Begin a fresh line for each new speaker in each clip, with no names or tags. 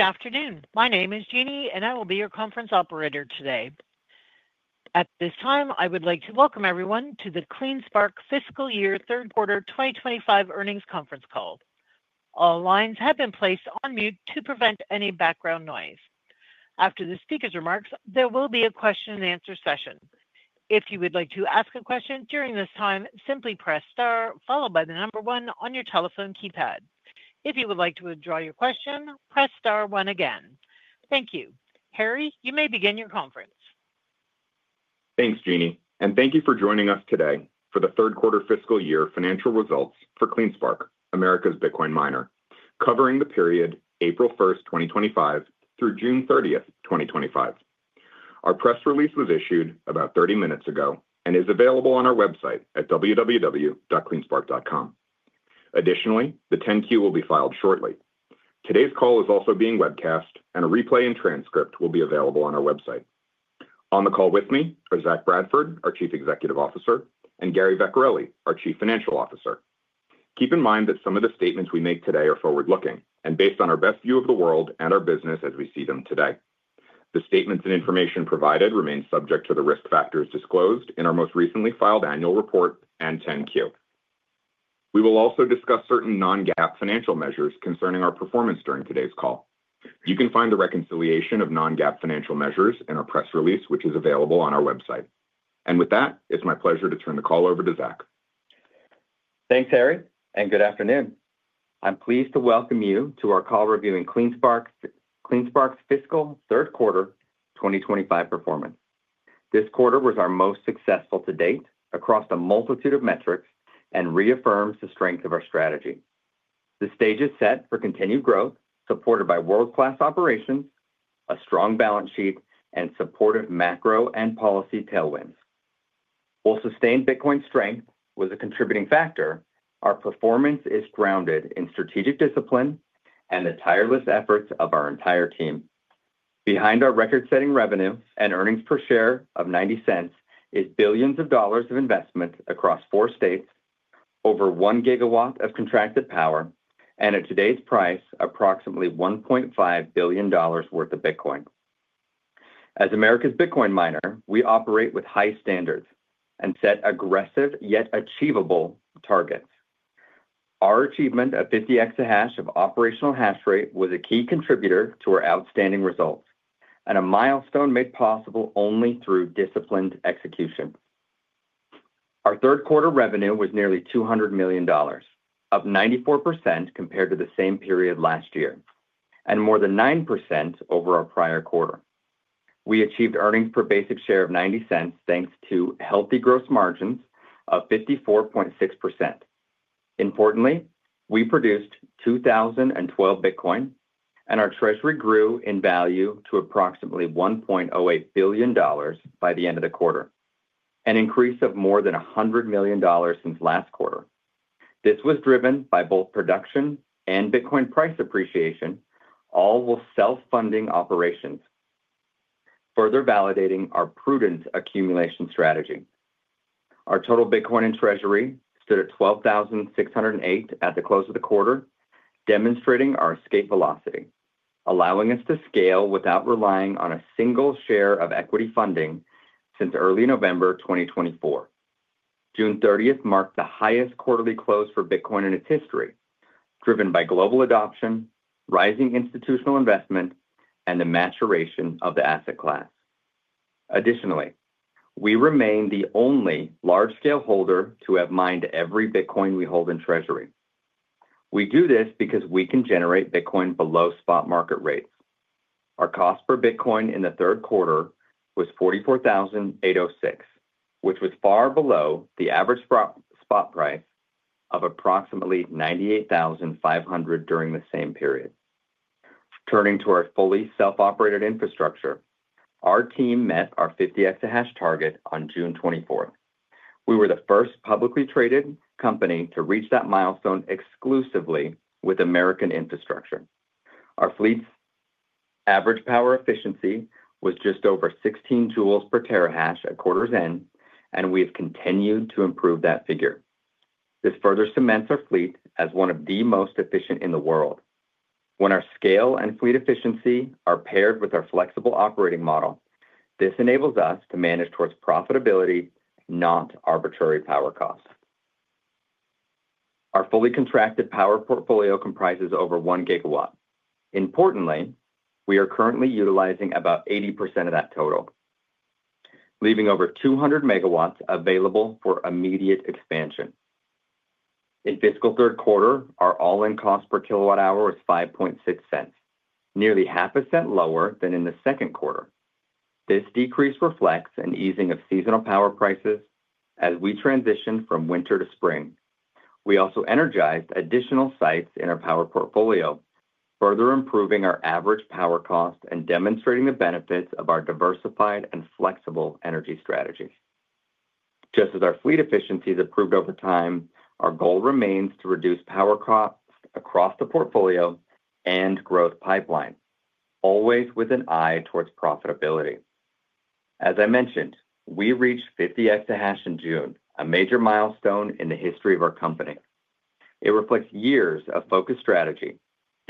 Good afternoon. My name is Jeannie, and I will be your conference operator today. At this time, I would like to welcome everyone to the CleanSpark Fiscal Year Third Quarter 2025 Earnings Conference Call. All lines have been placed on mute to prevent any background noise. After the speaker's remarks, there will be a question and answer session. If you would like to ask a question during this time, simply press star, followed by the number one on your telephone keypad. If you would like to withdraw your question, press star one again. Thank you. Harry, you may begin your conference.
Thanks, Jeannie, and thank you for joining us today for the third quarter fiscal year financial results for CleanSpark, America's Bitcoin miner, covering the period April 1, 2025 through June 30, 2025. Our press release was issued about 30 minutes ago and is available on our website at www.cleanspark.com. Additionally, the 10-Q will be filed shortly. Today's call is also being webcast, and a replay and transcript will be available on our website. On the call with me are Zach Bradford, our Chief Executive Officer, and Gary Vecchiarelli, our Chief Financial Officer. Keep in mind that some of the statements we make today are forward-looking and based on our best view of the world and our business as we see them today. The statements and information provided remain subject to the risk factors disclosed in our most recently filed annual report and 10-Q. We will also discuss certain non-GAAP financial measures concerning our performance during today's call. You can find the reconciliation of non-GAAP financial measures in our press release, which is available on our website. With that, it's my pleasure to turn the call over to Zach.
Thanks, Harry, and good afternoon. I'm pleased to welcome you to our call reviewing CleanSpark's fiscal third quarter 2025 performance. This quarter was our most successful to date across a multitude of metrics and reaffirms the strength of our strategy. The stage is set for continued growth, supported by world-class operations, a strong balance sheet, and supportive macro and policy tailwinds. While sustained Bitcoin strength was a contributing factor, our performance is grounded in strategic discipline and the tireless efforts of our entire team. Behind our record-setting revenue and earnings per share of $0.90 is billions of dollars of investment across four states, over 1 GW of contracted power, and at today's price, approximately $1.5 billion worth of Bitcoin. As America's Bitcoin miner, we operate with high standards and set aggressive yet achievable targets. Our achievement of 50 EH of operational hash rate was a key contributor to our outstanding results and a milestone made possible only through disciplined execution. Our third quarter revenue was nearly $200 million, up 94% compared to the same period last year, and more than 9% over our prior quarter. We achieved earnings per basic share of $0.90 thanks to healthy gross margins of 54.6%. Importantly, we produced 2,012 Bitcoin, and our treasury grew in value to approximately $1.08 billion by the end of the quarter, an increase of more than $100 million since last quarter. This was driven by both production and Bitcoin price appreciation, all while self-funding operations, further validating our prudent accumulation strategy. Our total Bitcoin in treasury stood at 12,608 at the close of the quarter, demonstrating our escape velocity, allowing us to scale without relying on a single share of equity funding since early November 2024. June 30th marked the highest quarterly close for Bitcoin in its history, driven by global adoption, rising institutional investment, and the maturation of the asset class. Additionally, we remain the only large-scale holder to have mined every Bitcoin we hold in treasury. We do this because we can generate Bitcoin below spot market rate. Our cost per Bitcoin in the third quarter was $44,806, which was far below the average spot price of approximately $98,500 during the same period. Turning to our fully self-operated infrastructure, our team met our 50x the hash target on June 24th. We were the first publicly traded company to reach that milestone exclusively with American infrastructure. Our fleet's average power efficiency was just over 16 J/TH at quarter's end, and we have continued to improve that figure. This further cements our fleet as one of the most efficient in the world. When our scale and fleet efficiency are paired with our flexible operating model, this enables us to manage towards profitability, not arbitrary power costs. Our fully contracted power portfolio comprises over one gigawatt. Importantly, we are currently utilizing about 80% of that total, leaving over 200 MW available for immediate expansion. In fiscal third quarter, our all-in cost per kilowatt hour was $0.0506, nearly 0.5% lower than in the second quarter. This decrease reflects an easing of seasonal power prices as we transition from winter to spring. We also energized additional sites in our power portfolio, further improving our average power cost and demonstrating the benefits of our diversified and flexible energy strategy. Just as our fleet efficiency has improved over time, our goal remains to reduce power costs across the portfolio and growth pipeline, always with an eye towards profitability. As I mentioned, we reached 50 EH in June, a major milestone in the history of our company. It reflects years of focused strategy,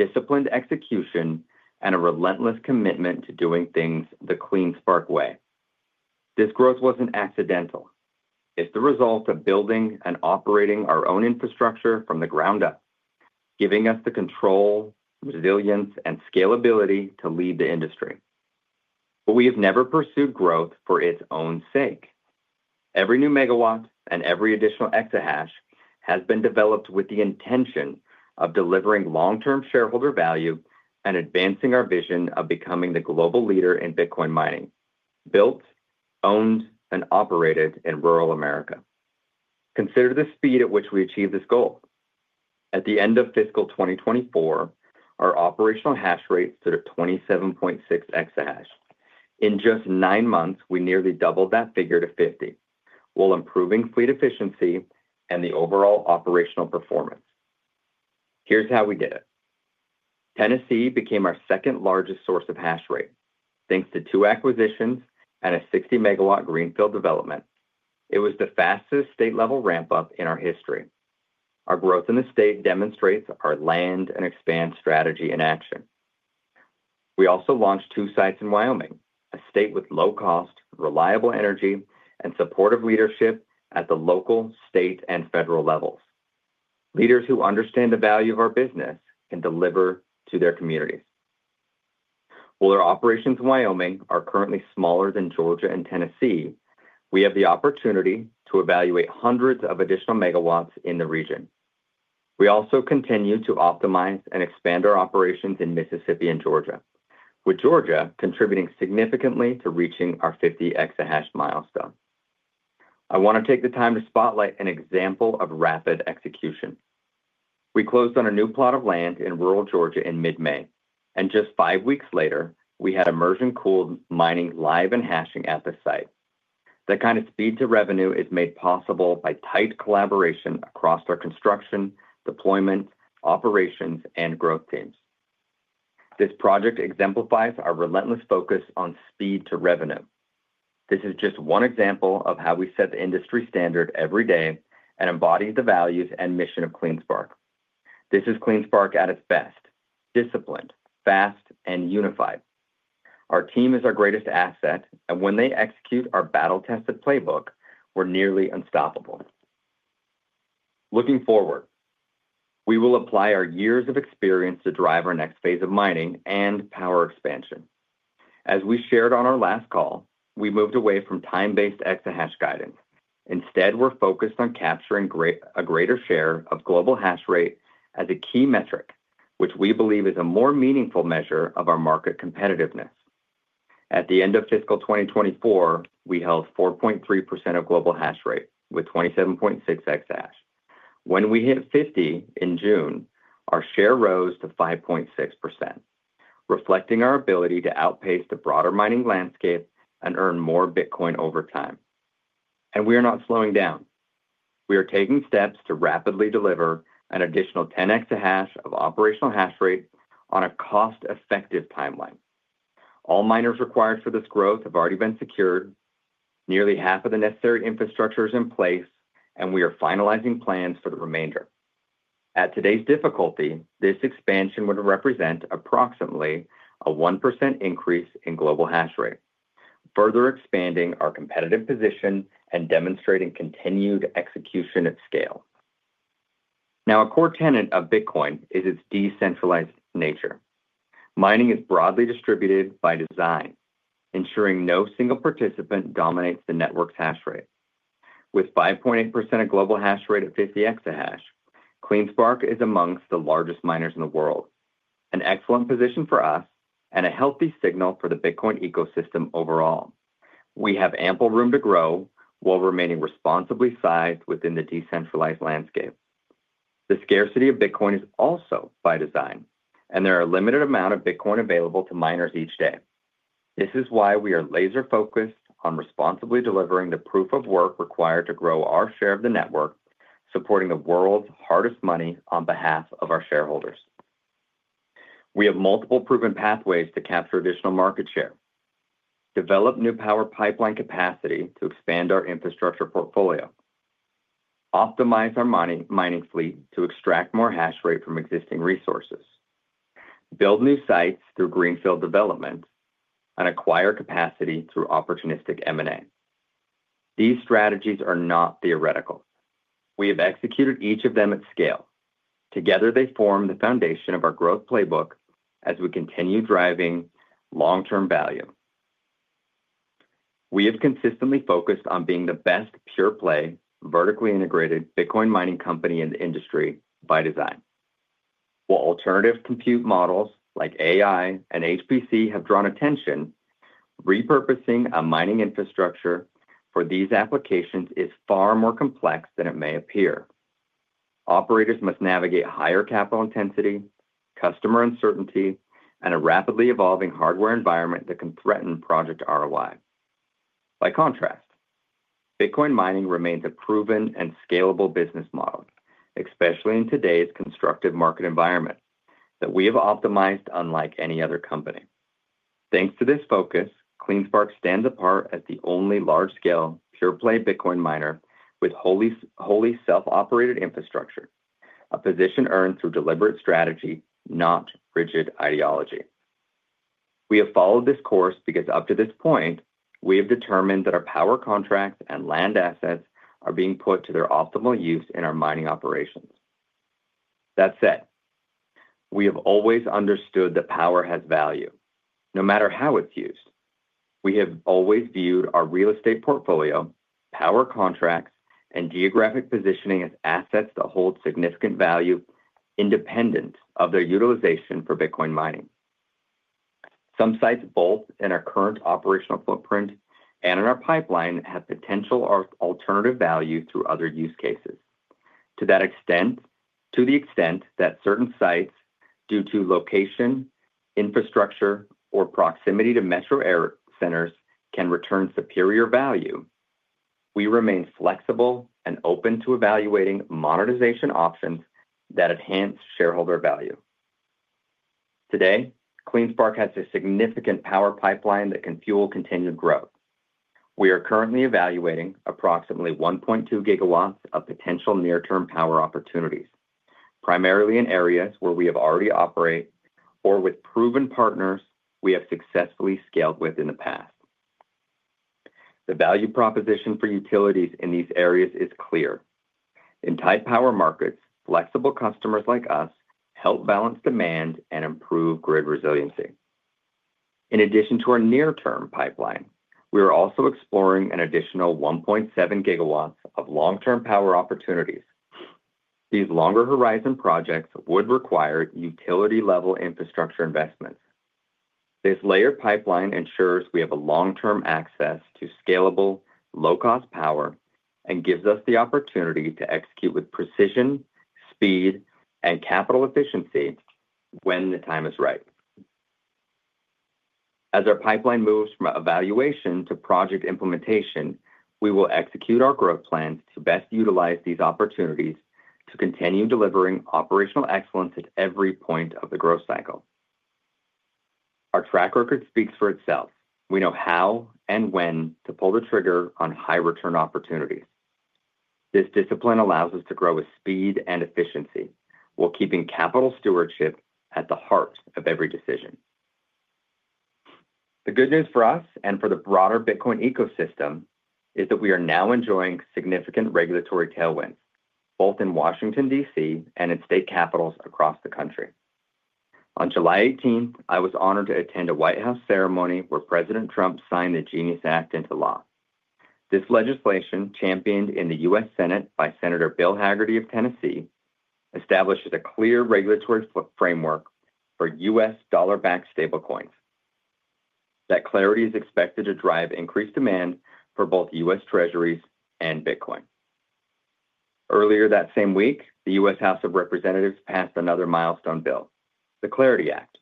disciplined execution, and a relentless commitment to doing things the CleanSpark way. This growth wasn't accidental. It's the result of building and operating our own infrastructure from the ground up, giving us the control, resilience, and scalability to lead the industry. We have never pursued growth for its own sake. Every new megawatt and every additional exahash has been developed with the intention of delivering long-term shareholder value and advancing our vision of becoming the global leader in Bitcoin mining, built, owned, and operated in rural America. Consider the speed at which we achieved this goal. At the end of fiscal 2024, our operational hash rate stood at 27.6 EH. In just nine months, we nearly doubled that figure to 50, while improving fleet efficiency and the overall operational performance. Here's how we did it. Tennessee became our second largest source of hash rate, thanks to two acquisitions and a 60-MW greenfield development. It was the fastest state-level ramp-up in our history. Our growth in the state demonstrates our land and expand strategy in action. We also launched two sites in Wyoming, a state with low-cost, reliable energy, and supportive leadership at the local, state, and federal levels. Leaders who understand the value our business can deliver to their community. While our operations in Wyoming are currently smaller than Georgia and Tennessee, we have the opportunity to evaluate hundreds of additional megawatts in the region. We also continue to optimize and expand our operations in Mississippi and Georgia, with Georgia contributing significantly to reaching our 50 EH milestone. I want to take the time to spotlight an example of rapid execution. We closed on a new plot of land in rural Georgia in mid-May, and just five weeks later, we had immersion-cooled mining live and hashing at the site. That kind of speed to revenue is made possible by tight collaboration across our construction, deployment, operations, and growth teams. This project exemplifies our relentless focus on speed to revenue. This is just one example of how we set the industry standard every day and embody the values and mission of CleanSpark. This is CleanSpark at its best: disciplined, fast, and unified. Our team is our greatest asset, and when they execute our battle-tested playbook, we're nearly unstoppable. Looking forward, we will apply our years of experience to drive our next phase of mining and power expansion. As we shared on our last call, we moved away from time-based exahash guidance. Instead, we're focused on capturing a greater share of global hash rate as a key metric, which we believe is a more meaningful measure of our market competitiveness. At the end of fiscal 2024, we held 4.3% of global hash rate with 27.6 EH. When we hit 50 in June, our share rose to 5.6%, reflecting our ability to outpace the broader mining landscape and earn more Bitcoin over time. We are not slowing down. We are taking steps to rapidly deliver an additional 10 EH of operational hash rate on a cost-effective timeline. All miners required for this growth have already been secured. Nearly half of the necessary infrastructure is in place, and we are finalizing plans for the remainder. At today's difficulty, this expansion would represent approximately a 1% increase in global hash rate, further expanding our competitive position and demonstrating continued execution at scale. Now, a core tenet of Bitcoin is its decentralized nature. Mining is broadly distributed by design, ensuring no single participant dominates the network's hash rate. With 5.8% of global hash rate at 50 EH, CleanSpark is amongst the largest miners in the world, an excellent position for us and a healthy signal for the Bitcoin ecosystem overall. We have ample room to grow while remaining responsibly sized within the decentralized landscape. The scarcity of Bitcoin is also by design, and there are a limited amount of Bitcoin available to miners each day. This is why we are laser-focused on responsibly delivering the proof of work required to grow our share of the network, supporting the world's hardest money on behalf of our shareholders. We have multiple proven pathways to capture additional market share, develop new power pipeline capacity to expand our infrastructure portfolio, optimize our mining fleet to extract more hash rate from existing resources, build new sites through greenfield development, and acquire capacity through opportunistic M&A. These strategies are not theoretical. We have executed each of them at scale. Together, they form the foundation of our growth playbook as we continue driving long-term value. We have consistently focused on being the best pure-play, vertically integrated Bitcoin mining company in the industry by design. While alternative compute models like AI and HPC have drawn attention, repurposing a mining infrastructure for these applications is far more complex than it may appear. Operators must navigate higher capital intensity, customer uncertainty, and a rapidly evolving hardware environment that can threaten project ROI. By contrast, Bitcoin mining remains a proven and scalable business model, especially in today's constructive market environment that we have optimized unlike any other company. Thanks to this focus, CleanSpark stands apart as the only large-scale pure-play Bitcoin miner with wholly self-operated infrastructure, a position earned through deliberate strategy, not rigid ideology. We have followed this course because up to this point, we have determined that our power contracts and land assets are being put to their optimal use in our mining operations. That said, we have always understood that power has value, no matter how it's used. We have always viewed our real estate portfolio, power contracts, and geographic positioning as assets that hold significant value independent of their utilization for Bitcoin mining. Some sites both in our current operational footprint and in our pipeline have potential or alternative value through other use cases. To the extent that certain sites, due to location, infrastructure, or proximity to metro centers, can return superior value, we remain flexible and open to evaluating monetization options that enhance shareholder value. Today, CleanSpark has a significant power pipeline that can fuel continued growth. We are currently evaluating approximately 1.2 GW of potential near-term power opportunities, primarily in areas where we have already operated or with proven partners we have successfully scaled with in the past. The value proposition for utilities in these areas is clear. In tight power markets, flexible customers like us help balance demand and improve grid resiliency. In addition to our near-term pipeline, we are also exploring an additional 1.7 GW of long-term power opportunities. These longer horizon projects would require utility-level infrastructure investment. This layered pipeline ensures we have long-term access to scalable, low-cost power and gives us the opportunity to execute with precision, speed, and capital efficiency when the time is right. As our pipeline moves from evaluation to project implementation, we will execute our growth plans to best utilize these opportunities to continue delivering operational excellence at every point of the growth cycle. Our track record speaks for itself. We know how and when to pull the trigger on high-return opportunity. This discipline allows us to grow with speed and efficiency, while keeping capital stewardship at the heart of every decision. The good news for us and for the broader Bitcoin ecosystem is that we are now enjoying significant regulatory tailwinds, both in Washington, D.C., and in state capitals across the country. On July 18, I was honored to attend a White House ceremony where President Trump signed the Genius Act into law. This legislation, championed in the U.S. Senate by Senator Bill Hagerty of Tennessee, establishes a clear regulatory framework for U.S. dollar-backed stablecoins. That clarity is expected to drive increased demand for both U.S. treasuries and Bitcoin. Earlier that same week, the U.S. House of Representatives passed another milestone bill, the Clarity Act.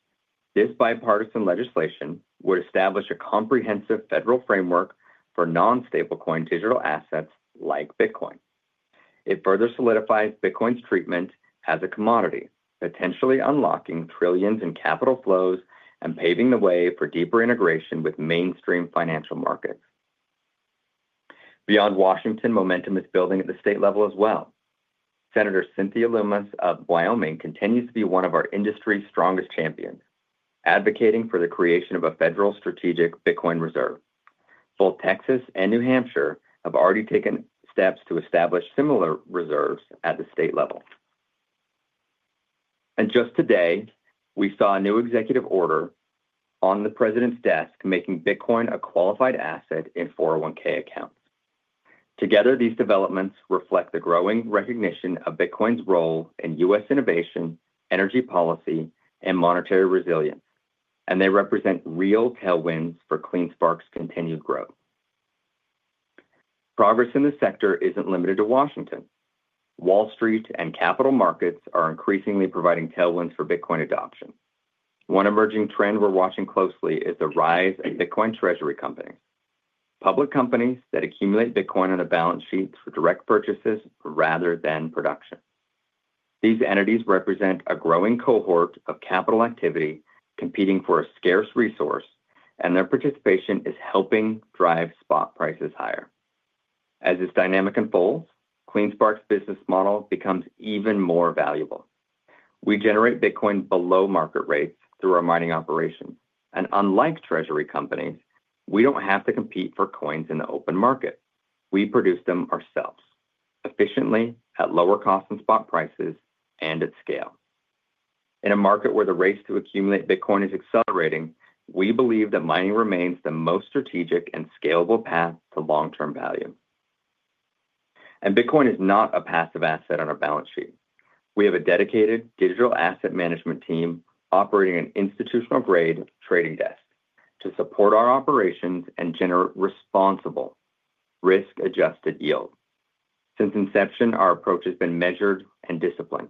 This bipartisan legislation would establish a comprehensive federal framework for non-stablecoin digital assets like Bitcoin. It further solidifies Bitcoin's treatment as a commodity, potentially unlocking trillions in capital flows and paving the way for deeper integration with mainstream financial markets. Beyond Washington, momentum is building at the state level as well. Senator Cynthia Lummis of Wyoming continues to be one of our industry's strongest champions, advocating for the creation of a federal strategic Bitcoin reserve. Both Texas and New Hampshire have already taken steps to establish similar reserves at the state level. Just today, we saw a new executive order on the president's desk making Bitcoin a qualified asset in 401(k) accounts. Together, these developments reflect the growing recognition of Bitcoin's role in U.S. innovation, energy policy, and monetary resilience, and they represent real tailwinds for CleanSpark's continued growth. Progress in the sector isn't limited to Washington. Wall Street and capital markets are increasingly providing tailwinds for Bitcoin adoption. One emerging trend we're watching closely is the rise of Bitcoin treasury companies, public companies that accumulate Bitcoin on a balance sheet for direct purchases rather than production. These entities represent a growing cohort of capital activity competing for a scarce resource, and their participation is helping drive spot prices higher. As this dynamic unfolds, CleanSpark's business model becomes even more valuable. We generate Bitcoin below market rates through our mining operations, and unlike treasury companies, we don't have to compete for coins in the open market. We produce them ourselves, efficiently, at lower costs and spot prices, and at scale. In a market where the race to accumulate Bitcoin is accelerating, we believe that mining remains the most strategic and scalable path to long-term value. Bitcoin is not a passive asset on a balance sheet. We have a dedicated digital asset management team operating an institutional-grade trading desk to support our operations and generate responsible, risk-adjusted yield. Since inception, our approach has been measured and disciplined.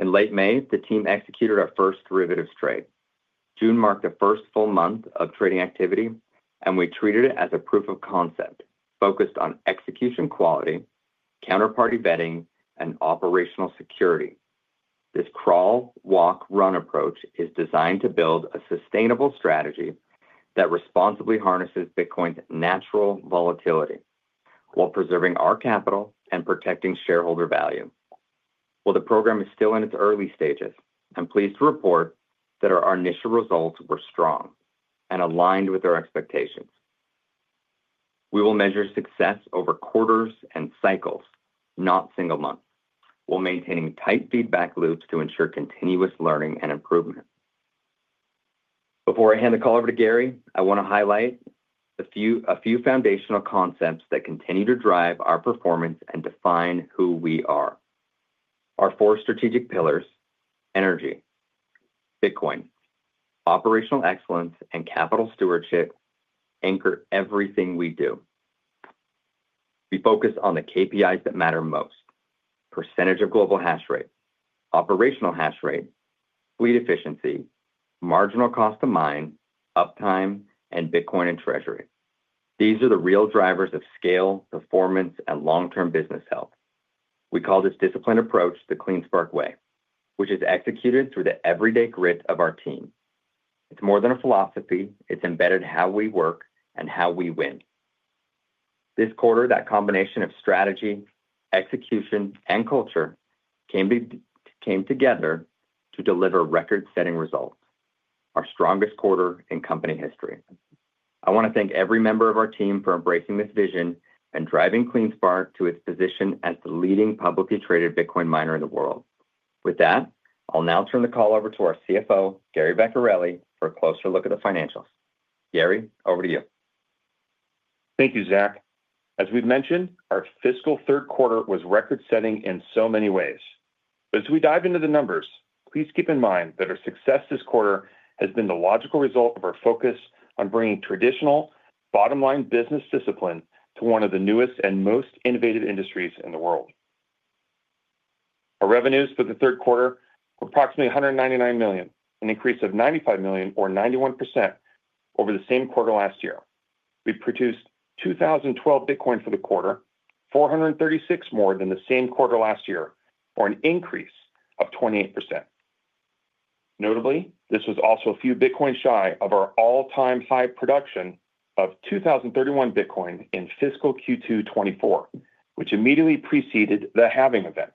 In late May, the team executed our first derivatives trade. June marked the first full month of trading activity, and we treated it as a proof of concept focused on execution quality, counterparty vetting, and operational security. This crawl, walk, run approach is designed to build a sustainable strategy that responsibly harnesses Bitcoin's natural volatility while preserving our capital and protecting shareholder value. While the program is still in its early stages, I'm pleased to report that our initial results were strong and aligned with our expectations. We will measure success over quarters and cycles, not single months, while maintaining tight feedback loops to ensure continuous learning and improvement. Before I hand the call over to Gary, I want to highlight a few foundational concepts that continue to drive our performance and define who we are. Our four strategic pillars: energy, Bitcoin, operational excellence, and capital stewardship anchor everything we do. We focus on the KPIs that matter most: percentage of global hash rate, operational hash rate, fleet efficiency, marginal cost to mine, uptime, and Bitcoin and treasury. These are the real drivers of scale, performance, and long-term business health. We call this disciplined approach the CleanSpark way, which is executed through the everyday grit of our team. It's more than a philosophy; it's embedded how we work and how we win. This quarter, that combination of strategy, execution, and culture came together to deliver record-setting results, our strongest quarter in company history. I want to thank every member of our team for embracing this vision and driving CleanSpark to its position as the leading publicly traded Bitcoin miner in the world. With that, I'll now turn the call over to our CFO, Gary Vecchiarelli, for a closer look at the financials. Gary, over to you.
Thank you, Zach. As we've mentioned, our fiscal third quarter was record-setting in so many ways. As we dive into the numbers, please keep in mind that our success this quarter has been the logical result of our focus on bringing traditional, bottom-line business discipline to one of the newest and most innovative industries in the world. Our revenues for the third quarter were approximately $199 million, an increase of $95 million or 91% over the same quarter last year. We produced 2,012 Bitcoin for the quarter, 436 more than the same quarter last year, or an increase of 28%. Notably, this was also a few Bitcoin shy of our all-time high production of 2,031 Bitcoin in fiscal Q2 2024, which immediately preceded the halving event.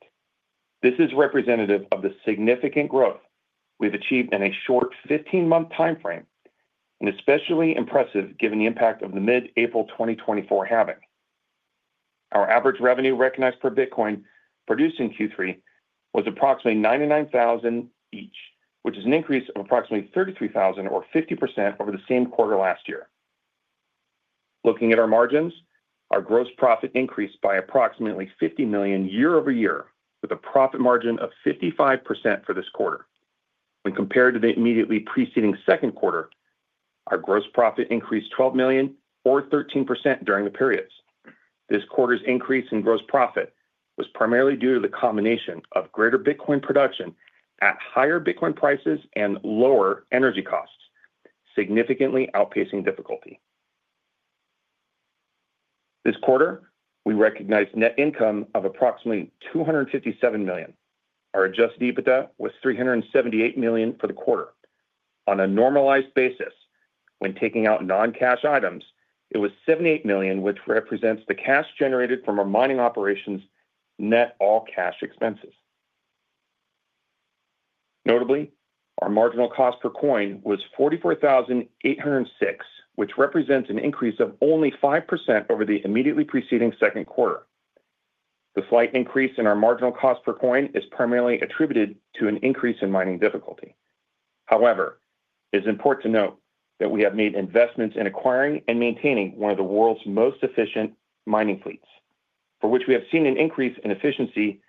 This is representative of the significant growth we've achieved in a short 15-month timeframe, and especially impressive given the impact of the mid-April 2024 halving. Our average revenue recognized per Bitcoin produced in Q3 was approximately $99,000 each, which is an increase of approximately $33,000 or 50% over the same quarter last year. Looking at our margins, our gross profit increased by approximately $50 million year-over-year, with a profit margin of 55% for this quarter. When compared to the immediately preceding second quarter, our gross profit increased $12 million or 13% during the periods. This quarter's increase in gross profit was primarily due to the combination of greater Bitcoin production at higher Bitcoin prices and lower energy costs, significantly outpacing difficulty. This quarter, we recognized net income of approximately $257 million. Our adjusted EBITDA was $378 million for the quarter. On a normalized basis, when taking out non-cash items, it was $78 million, which represents the cash generated from our mining operations' net all-cash expenses. Notably, our marginal cost per coin was $44,806, which represents an increase of only 5% over the immediately preceding second quarter. The slight increase in our marginal cost per coin is primarily attributed to an increase in mining difficulty. However, it is important to note that we have made investments in acquiring and maintaining one of the world's most efficient mining fleets, for which we have seen an increase in efficiency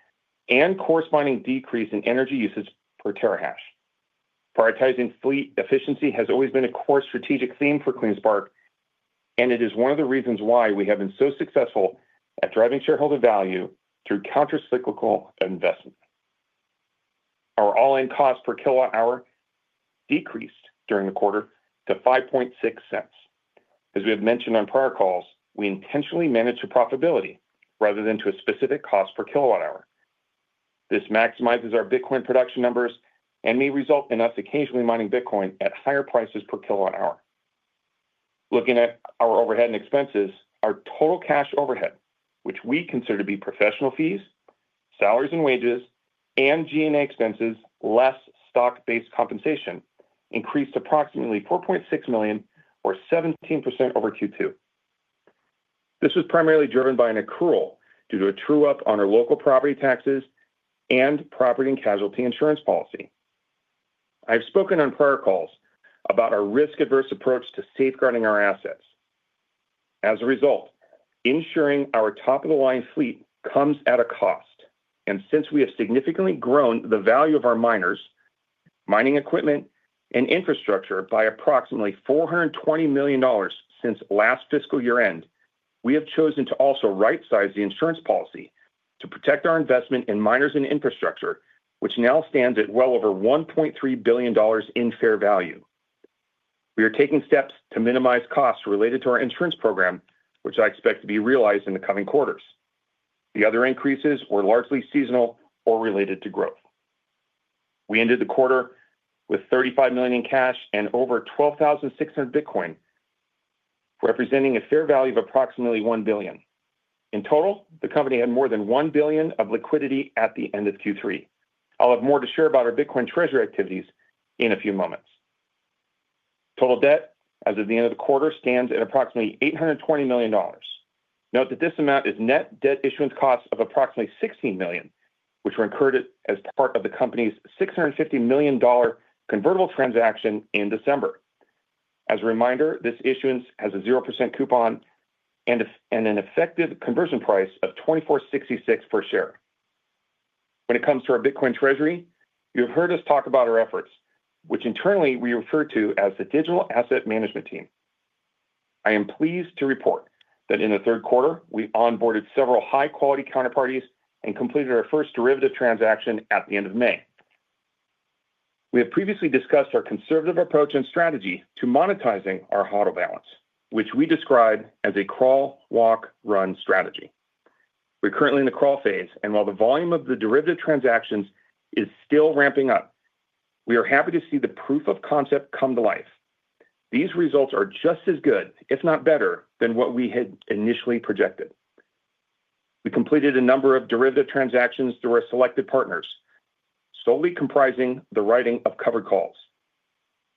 and a corresponding decrease in energy usage per terahash. Prioritizing fleet efficiency has always been a core strategic theme for CleanSpark, and it is one of the reasons why we have been so successful at driving shareholder value through countercyclical investment. Our all-in cost per kilowatt hour decreased during the quarter to $0.56. As we have mentioned on prior calls, we intentionally manage to profitability rather than to a specific cost per kilowatt hour. This maximizes our Bitcoin production numbers and may result in us occasionally mining Bitcoin at higher prices per kilowatt hour. Looking at our overhead and expenses, our total cash overhead, which we consider to be professional fees, salaries and wages, and G&A expenses, less stock-based compensation, increased approximately $4.6 million or 17% over Q2. This was primarily driven by an accrual due to a true up on our local property taxes and property and casualty insurance policy. I have spoken on prior calls about our risk-averse approach to safeguarding our assets. As a result, ensuring our top-of-the-line fleet comes at a cost, and since we have significantly grown the value of our miners, mining equipment, and infrastructure by approximately $420 million since last fiscal year end, we have chosen to also right-size the insurance policy to protect our investment in miners and infrastructure, which now stands at well over $1.3 billion in fair value. We are taking steps to minimize costs related to our insurance program, which I expect to be realized in the coming quarters. The other increases were largely seasonal or related to growth. We ended the quarter with $35 million in cash and over 12,600 Bitcoin, representing a fair value of approximately $1 billion. In total, the company had more than $1 billion of liquidity at the end of Q3. I'll have more to share about our Bitcoin treasury activities in a few moments. Total debt as of the end of the quarter stands at approximately $820 million. Note that this amount is net debt issuance costs of approximately $16 million, which were incurred as part of the company's $650 million convertible transaction in December. As a reminder, this issuance has a 0% coupon and an effective conversion price of $24.66 per share. When it comes to our Bitcoin treasury, you have heard us talk about our efforts, which internally we refer to as the Digital Asset Management Team. I am pleased to report that in the third quarter, we onboarded several high-quality counterparties and completed our first derivative transaction at the end of May. We have previously discussed our conservative approach and strategy to monetizing our HODL balance, which we describe as a crawl, walk, run strategy. We're currently in the crawl phase, and while the volume of the derivative transactions is still ramping up, we are happy to see the proof of concept come to life. These results are just as good, if not better, than what we had initially projected. We completed a number of derivative transactions through our selected partners, solely comprising the writing of covered calls.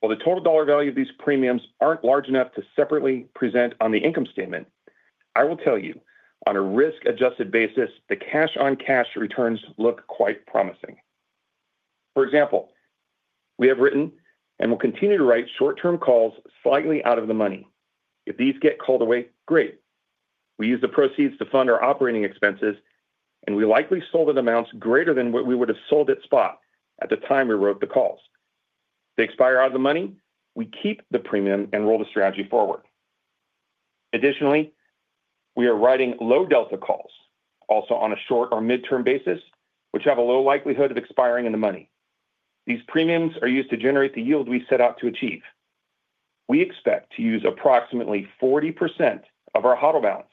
While the total dollar value of these premiums isn't large enough to separately present on the income statement, I will tell you, on a risk-adjusted basis, the cash-on-cash returns look quite promising. For example, we have written and will continue to write short-term calls slightly out of the money. If these get called away, great. We use the proceeds to fund our operating expenses, and we likely sold at amounts greater than what we would have sold at spot at the time we wrote the calls. If they expire out of the money, we keep the premium and roll the strategy forward. Additionally, we are writing low delta calls, also on a short or mid-term basis, which have a low likelihood of expiring in the money. These premiums are used to generate the yield we set out to achieve. We expect to use approximately 40% of our HODL balance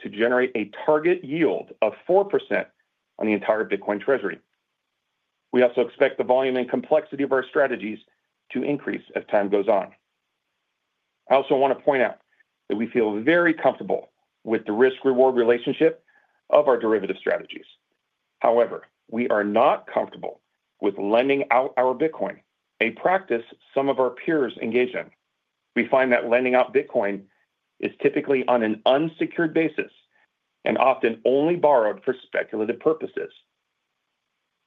to generate a target yield of 4% on the entire Bitcoin treasury. We also expect the volume and complexity of our strategies to increase as time goes on. I also want to point out that we feel very comfortable with the risk-reward relationship of our derivative strategies. However, we are not comfortable with lending out our Bitcoin, a practice some of our peers engage in. We find that lending out Bitcoin is typically on an unsecured basis and often only borrowed for speculative purposes.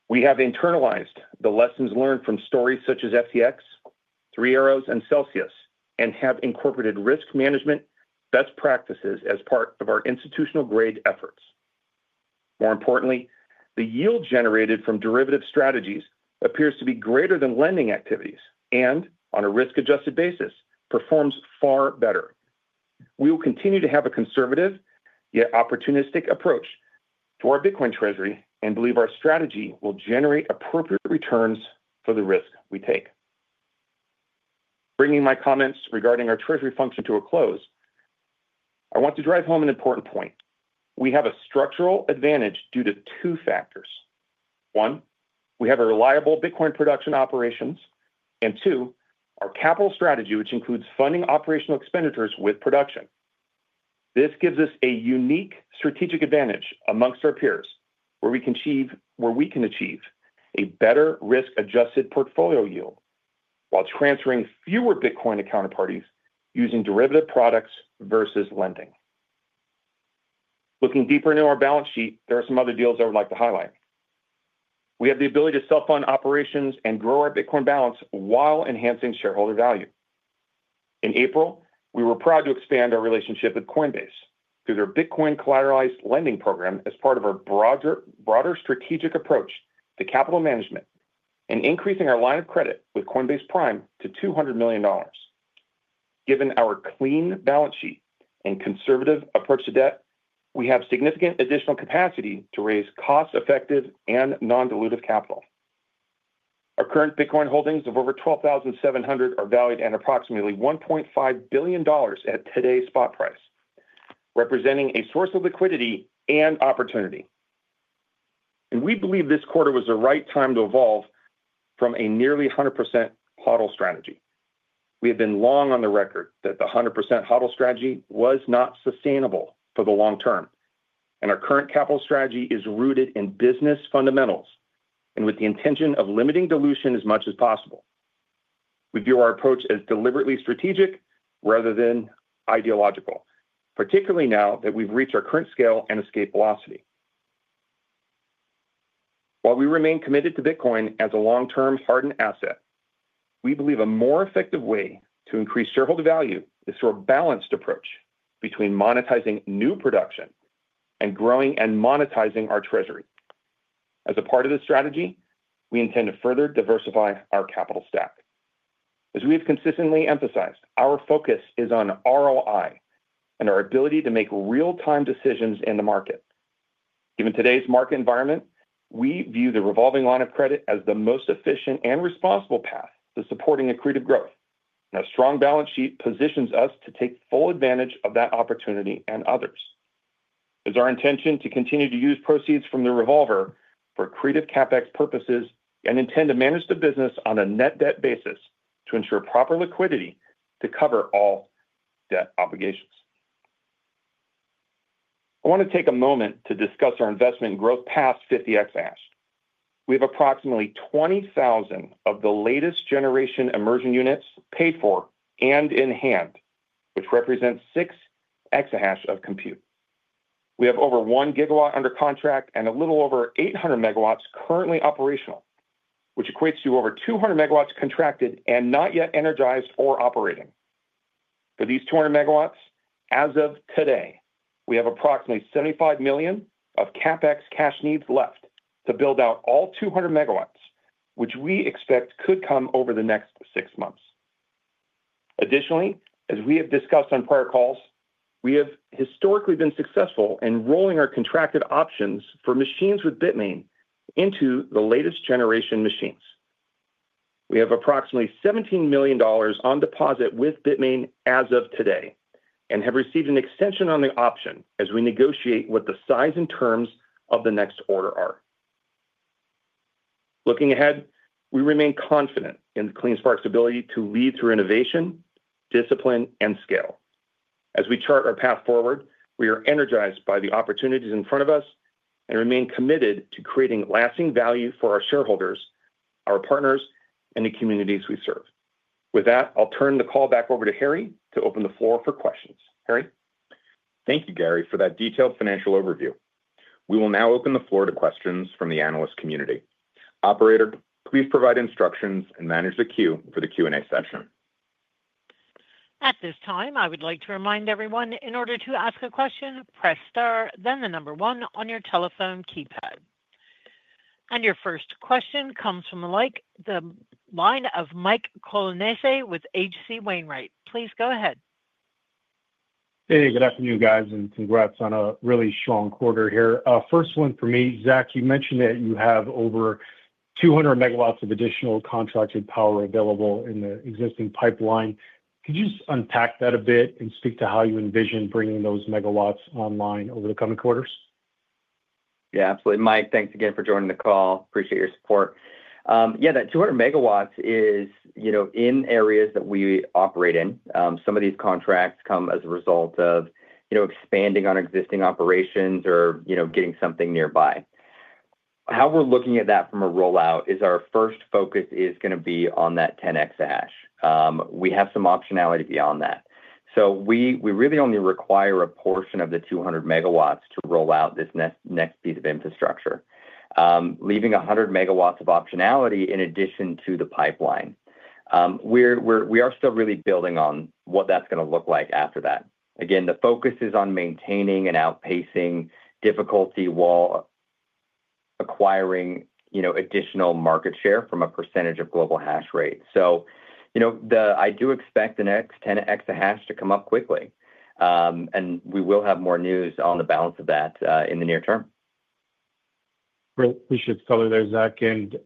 We have internalized the lessons learned from stories such as FTX, Three Arrows, and Celsius, and have incorporated risk management best practices as part of our institutional-grade efforts. More importantly, the yield generated from derivative strategies appears to be greater than lending activities and, on a risk-adjusted basis, performs far better. We will continue to have a conservative yet opportunistic approach to our Bitcoin treasury and believe our strategy will generate appropriate returns for the risk we take. Bringing my comments regarding our treasury function to a close, I want to drive home an important point. We have a structural advantage due to two factors. One, we have reliable Bitcoin production operations, and two, our capital strategy, which includes funding operational expenditures with production. This gives us a unique strategic advantage amongst our peers, where we can achieve a better risk-adjusted portfolio yield while transferring fewer Bitcoin to counterparties using derivative products versus lending. Looking deeper into our balance sheet, there are some other deals I would like to highlight. We have the ability to self-fund operations and grow our Bitcoin balance while enhancing shareholder value. In April, we were proud to expand our relationship with Coinbase through their Bitcoin-collateralized lending program as part of our broader strategic approach to capital management and increasing our line of credit with Coinbase Prime to $200 million. Given our clean balance sheet and conservative approach to debt, we have significant additional capacity to raise cost-effective and non-dilutive capital. Our current Bitcoin holdings of over 12,700 are valued at approximately $1.5 billion at today's spot price, representing a source of liquidity and opportunity. We believe this quarter was the right time to evolve from a nearly 100% HODL strategy. We have been long on the record that the 100% HODL strategy was not sustainable for the long term, and our current capital strategy is rooted in business fundamentals and with the intention of limiting dilution as much as possible. We view our approach as deliberately strategic rather than ideological, particularly now that we've reached our current scale and escape velocity. While we remain committed to Bitcoin as a long-term hardened asset, we believe a more effective way to increase shareholder value is through a balanced approach between monetizing new production and growing and monetizing our treasury. As a part of this strategy, we intend to further diversify our capital stack. As we have consistently emphasized, our focus is on ROI and our ability to make real-time decisions in the market. Given today's market environment, we view the revolving line of credit as the most efficient and responsible path to supporting accretive growth, and our strong balance sheet positions us to take full advantage of that opportunity and others. It's our intention to continue to use proceeds from the revolver for accretive CapEx purposes and intend to manage the business on a net debt basis to ensure proper liquidity to cover all debt obligations. I want to take a moment to discuss our investment growth past 50 EH. We have approximately 20,000 of the latest generation immersion units paid for and in hand, which represents six exahash of compute. We have over one gigawatt under contract and a little over 800 MW currently operational, which equates to over 200 MW contracted and not yet energized or operating. For these 200 MW, as of today, we have approximately $75 million of CapEx cash needs left to build out all 200 MW, which we expect could come over the next six months. Additionally, as we have discussed on prior calls, we have historically been successful in rolling our contracted options for machines with Bitmain into the latest generation machines. We have approximately $17 million on deposit with Bitmain as of today and have received an extension on the option as we negotiate what the size and terms of the next order are. Looking ahead, we remain confident in CleanSpark's ability to lead through innovation, discipline, and scale. As we chart our path forward, we are energized by the opportunities in front of us and remain committed to creating lasting value for our shareholders, our partners, and the communities we serve. With that, I'll turn the call back over to Harry to open the floor for questions. Harry?
Thank you, Gary, for that detailed financial overview. We will now open the floor to questions from the analyst community. Operator, please provide instructions and manage the queue for the Q&A session.
At this time, I would like to remind everyone, in order to ask a question, press star, then the number one on your telephone keypad. Your first question comes from the line of Mike Colonnese with H.C. Wainwright. Please go ahead.
Hey, good afternoon, guys, and congrats on a really strong quarter here. First one for me, Zach, you mentioned that you have over 200 MW of additional contracted power available in the existing pipeline. Could you just unpack that a bit and speak to how you envision bringing those megawatts online over the coming quarters?
Yeah, absolutely. Mike, thanks again for joining the call. Appreciate your support. That 200 MW is, you know, in areas that we operate in. Some of these contracts come as a result of expanding on existing operations or getting something nearby. How we're looking at that from a rollout is our first focus is going to be on that 10 EH. We have some optionality beyond that. We really only require a portion of the 200 MW to roll out this next piece of infrastructure, leaving 100 MW of optionality in addition to the pipeline. We are still really building on what that's going to look like after that. The focus is on maintaining and outpacing difficulty while acquiring additional market share from a percentage of global hash rate. I do expect the next 10 EH to come up quickly, and we will have more news on the balance of that in the near term.
Great. We should color there, Zach.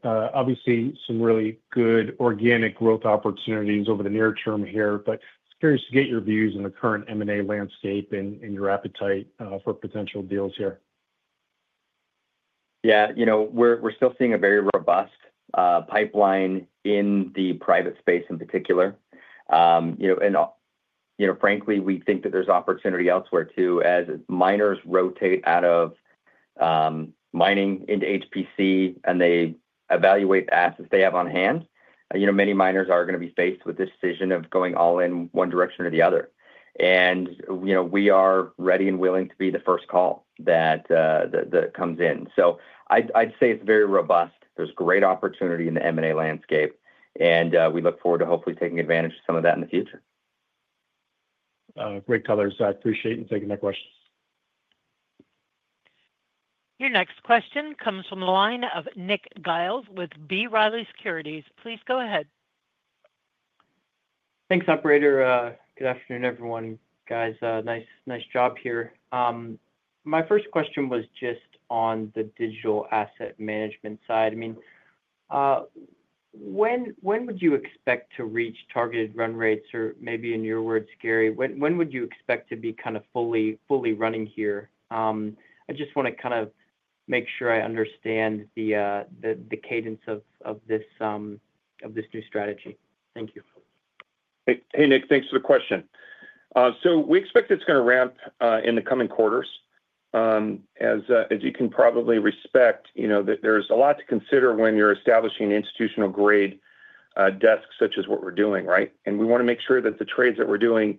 Obviously, some really good organic growth opportunities over the near term here, but I'm curious to get your views on the current M&A landscape and your appetite for potential deals here.
Yeah, we're still seeing a very robust pipeline in the private space in particular. Frankly, we think that there's opportunity elsewhere too, as miners rotate out of mining into HPC and they evaluate the assets they have on hand. Many miners are going to be faced with the decision of going all in one direction or the other. We are ready and willing to be the first call that comes in. I'd say it's very robust. There's great opportunity in the M&A landscape, and we look forward to hopefully taking advantage of some of that in the future.
Great colors, Zach. Appreciate you taking that question.
Your next question comes from the line of Nick Giles with B. Riley Securities. Please go ahead.
Thanks, Operator. Good afternoon, everyone. Guys, nice job here. My first question was just on the digital asset management side. When would you expect to reach targeted run rates, or maybe in your words, Gary, when would you expect to be kind of fully running here? I just want to make sure I understand the cadence of this new strategy. Thank you.
Hey, Nick, thanks for the question. We expect it's going to ramp in the coming quarters. As you can probably respect, there's a lot to consider when you're establishing an institutional-grade desk such as what we're doing, right? We want to make sure that the trades that we're doing,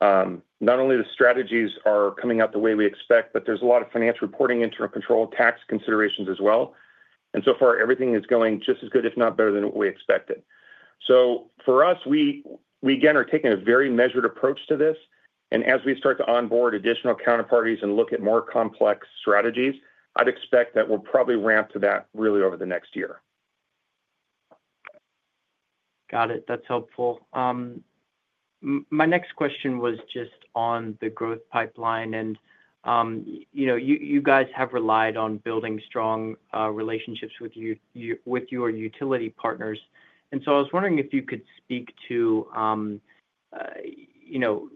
not only the strategies are coming out the way we expect, but there's a lot of finance reporting, internal control, tax considerations as well. So far, everything is going just as good, if not better, than what we expected. For us, we again are taking a very measured approach to this. As we start to onboard additional counterparties and look at more complex strategies, I'd expect that we'll probably ramp to that really over the next year.
Got it. That's helpful. My next question was just on the growth pipeline. You know, you guys have relied on building strong relationships with your utility partners. I was wondering if you could speak to, you know,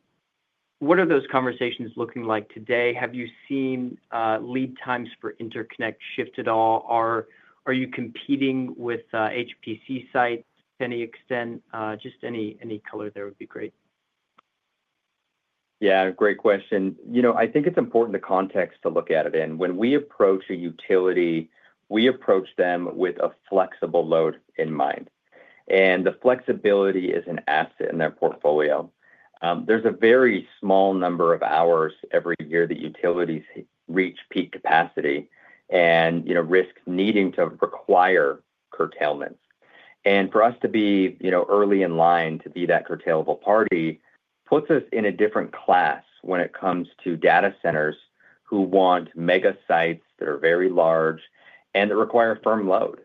what are those conversations looking like today? Have you seen lead times for interconnect shift at all? Are you competing with HPC sites to any extent? Just any color there would be great.
Yeah, great question. I think it's important to context to look at it. When we approach a utility, we approach them with a flexible load in mind. The flexibility is an asset in their portfolio. There's a very small number of hours every year that utilities reach peak capacity and risk needing to require curtailment. For us to be early in line to be that curtailable party puts us in a different class when it comes to data centers who want mega sites that are very large and that require a firm load.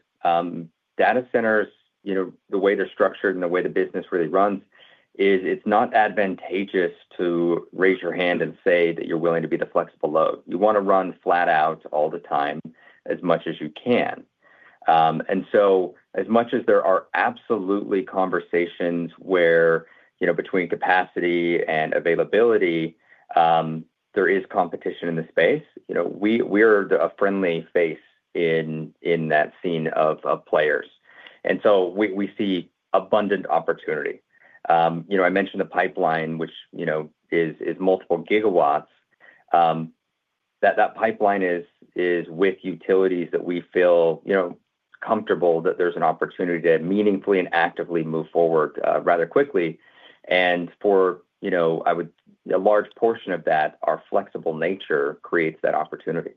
Data centers, the way they're structured and the way the business really runs, it's not advantageous to raise your hand and say that you're willing to be the flexible load. You want to run flat out all the time as much as you can. As much as there are absolutely conversations where, between capacity and availability, there is competition in the space, we are a friendly face in that scene of players. We see abundant opportunity. I mentioned the pipeline, which is multiple gigawatts. That pipeline is with utilities that we feel comfortable that there's an opportunity to meaningfully and actively move forward rather quickly. For a large portion of that, our flexible nature creates that opportunity.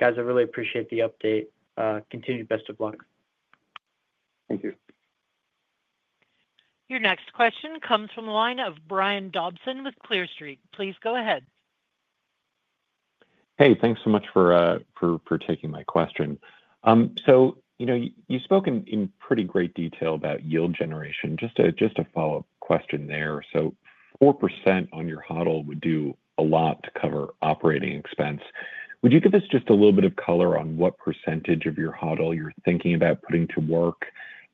Guys, I really appreciate the update. Continued best of luck.
Thank you.
Your next question comes from the line of Brian Dobson with Clear Street. Please go ahead.
Hey, thanks so much for taking my question. You spoke in pretty great detail about yield generation. Just a follow-up question there. 4% on your HODL would do a lot to cover operating expense. Would you give us just a little bit of color on what percentage of your HODL you're thinking about putting to work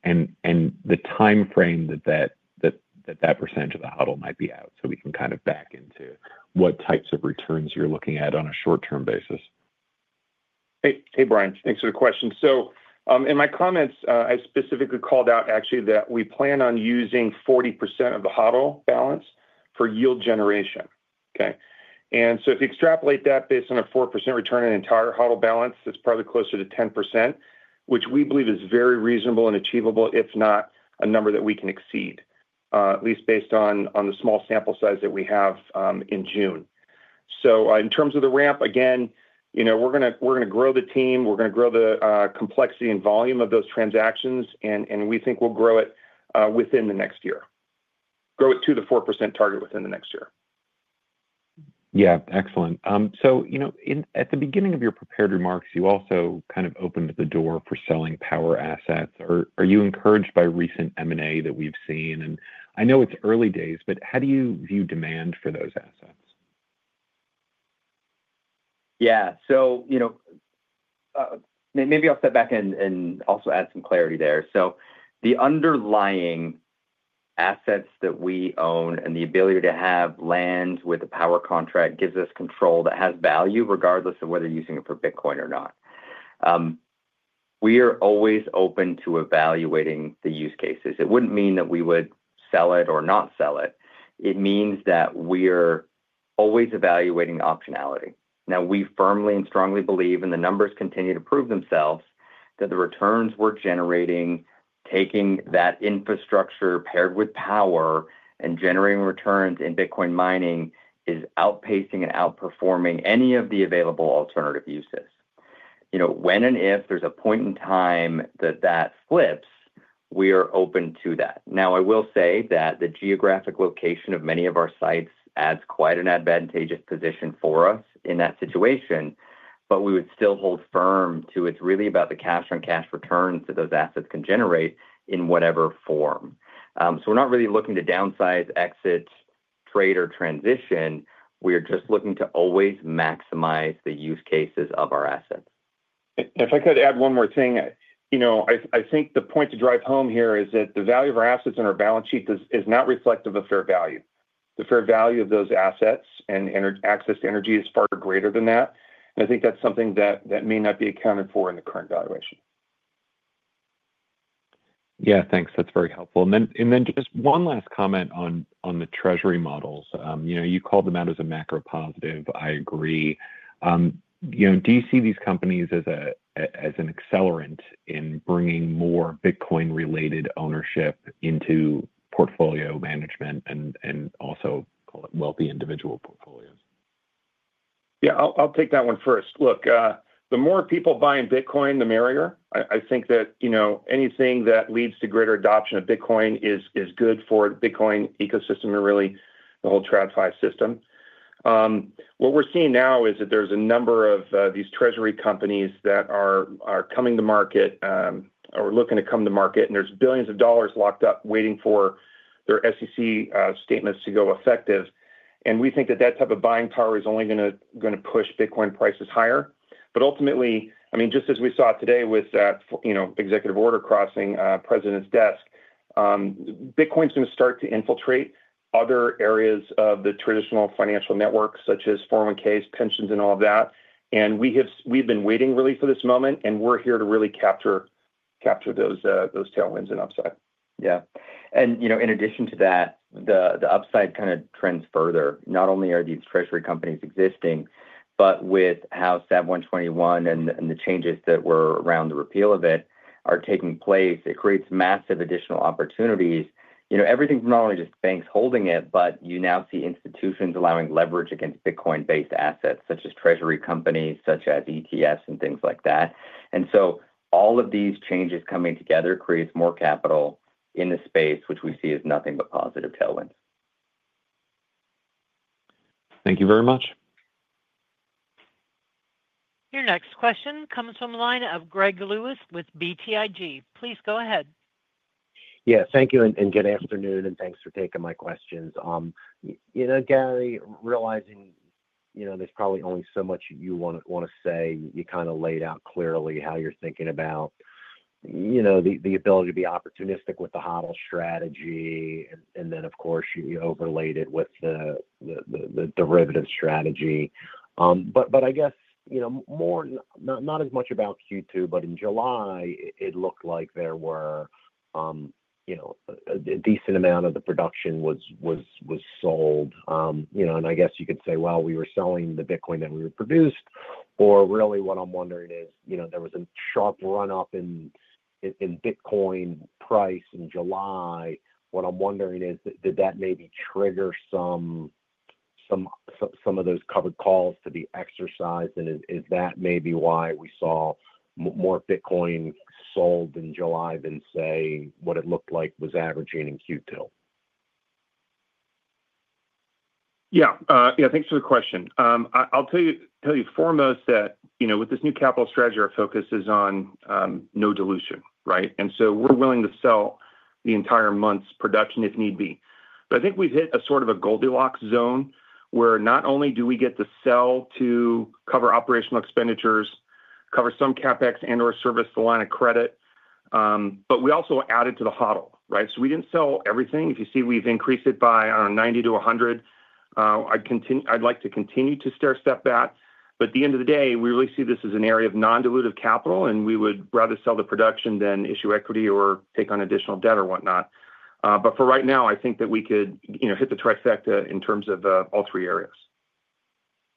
and the timeframe that that percentage of the HODL might be out so we can kind of back into what types of returns you're looking at on a short-term basis?
Hey, Brian, thanks for the question. In my comments, I specifically called out actually that we plan on using 40% of the HODL balance for yield generation. If you extrapolate that based on a 4% return on the entire HODL balance, that's probably closer to 10%, which we believe is very reasonable and achievable, if not a number that we can exceed, at least based on the small sample size that we have in June. In terms of the ramp, we're going to grow the team, we're going to grow the complexity and volume of those transactions, and we think we'll grow it within the next year, grow it to the 4% target within the next year.
Excellent. At the beginning of your prepared remarks, you also kind of opened the door for selling power assets. Are you encouraged by recent M&A that we've seen? I know it's early days, but how do you view demand for those assets?
Yeah, maybe I'll step back and also add some clarity there. The underlying assets that we own and the ability to have land with a power contract gives us control that has value regardless of whether you're using it for Bitcoin or not. We are always open to evaluating the use cases. It wouldn't mean that we would sell it or not sell it. It means that we are always evaluating optionality. We firmly and strongly believe, and the numbers continue to prove themselves, that the returns we're generating, taking that infrastructure paired with power and generating returns in Bitcoin mining, is outpacing and outperforming any of the available alternative uses. When and if there's a point in time that that flips, we are open to that. I will say that the geographic location of many of our sites adds quite an advantageous position for us in that situation, but we would still hold firm to it's really about the cash on cash returns that those assets can generate in whatever form. We're not really looking to downsize, exit, trade, or transition. We are just looking to always maximize the use cases of our assets.
If I could add one more thing, I think the point to drive home here is that the value of our assets on our balance sheet is not reflective of fair value. The fair value of those assets and access to energy is far greater than that. I think that's something that may not be accounted for in the current valuation.
Yeah, thanks. That's very helpful. Just one last comment on the treasury models. You know, you called them out as a macro positive. I agree. Do you see these companies as an accelerant in bringing more Bitcoin-related ownership into portfolio management and also wealthy individual portfolios?
Yeah, I'll take that one first. Look, the more people buying Bitcoin, the merrier. I think that anything that leads to greater adoption of Bitcoin is good for the Bitcoin ecosystem and really the whole TradFi system. What we're seeing now is that there's a number of these treasury companies that are coming to market or looking to come to market, and there's billions of dollars locked up waiting for their SEC statements to go effective. We think that that type of buying power is only going to push Bitcoin prices higher. Ultimately, just as we saw today with executive order crossing the president's desk, Bitcoin is going to start to infiltrate other areas of the traditional financial networks, such as 401(k)s, pensions, and all of that. We've been waiting really for this moment, and we're here to really capture those tailwinds and upside.
Yeah. In addition to that, the upside kind of trends further. Not only are these treasury companies existing, but with how SAB 121 and the changes that were around the repeal of it are taking place, it creates massive additional opportunities. Everything from not only just banks holding it, but you now see institutions allowing leverage against Bitcoin-based assets, such as treasury companies, such as ETFs, and things like that. All of these changes coming together create more capital in the space, which we see as nothing but positive tailwind.
Thank you very much.
Your next question comes from the line of Greg Lewis with BTIG. Please go ahead.
Thank you, and good afternoon, and thanks for taking my questions. Gary, realizing there's probably only so much you want to say, you kind of laid out clearly how you're thinking about the ability to be opportunistic with the HODL strategy, and then, of course, you overlaid it with the derivative strategy. I guess, more not as much about Q2, but in July, it looked like a decent amount of the production was sold. I guess you could say we were selling the Bitcoin that we produced, or really what I'm wondering is, there was a sharp run-up in Bitcoin price in July. What I'm wondering is, did that maybe trigger some of those covered calls to be exercised, and is that maybe why we saw more Bitcoin sold in July than, say, what it looked like was averaging in Q2?
Yeah, thanks for the question. I'll tell you foremost that, you know, with this new capital strategy, our focus is on no dilution, right? We're willing to sell the entire month's production if need be. I think we've hit a sort of a Goldilocks zone where not only do we get to sell to cover operational expenditures, cover some CapEx and/or service the line of credit, but we also add it to the HODL, right? We didn't sell everything. If you see, we've increased it by, I don't know, 90%-100%. I'd like to continue to stair-step that. At the end of the day, we really see this as an area of non-dilutive capital, and we would rather sell the production than issue equity or take on additional debt or whatnot. For right now, I think that we could hit the trifecta in terms of all three areas.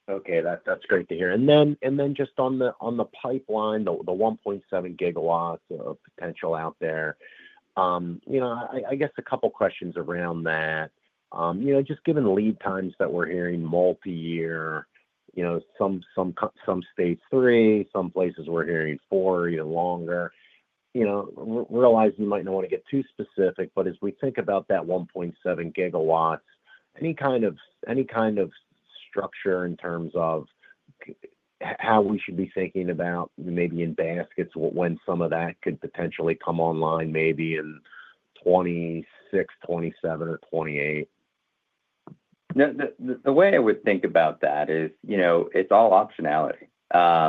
Okay, that's great to hear. Just on the pipeline, the 1.7 gigawatt potential out there, I guess a couple of questions around that. Given the lead times that we're hearing, multi-year, some states three, some places we're hearing four, even longer. Realizing you might not want to get too specific, as we think about that 1.7 GW, any kind of structure in terms of how we should be thinking about maybe in baskets when some of that could potentially come online maybe in 2026, 2027, or 2028?
The way I would think about that is, you know, it's all optionality. I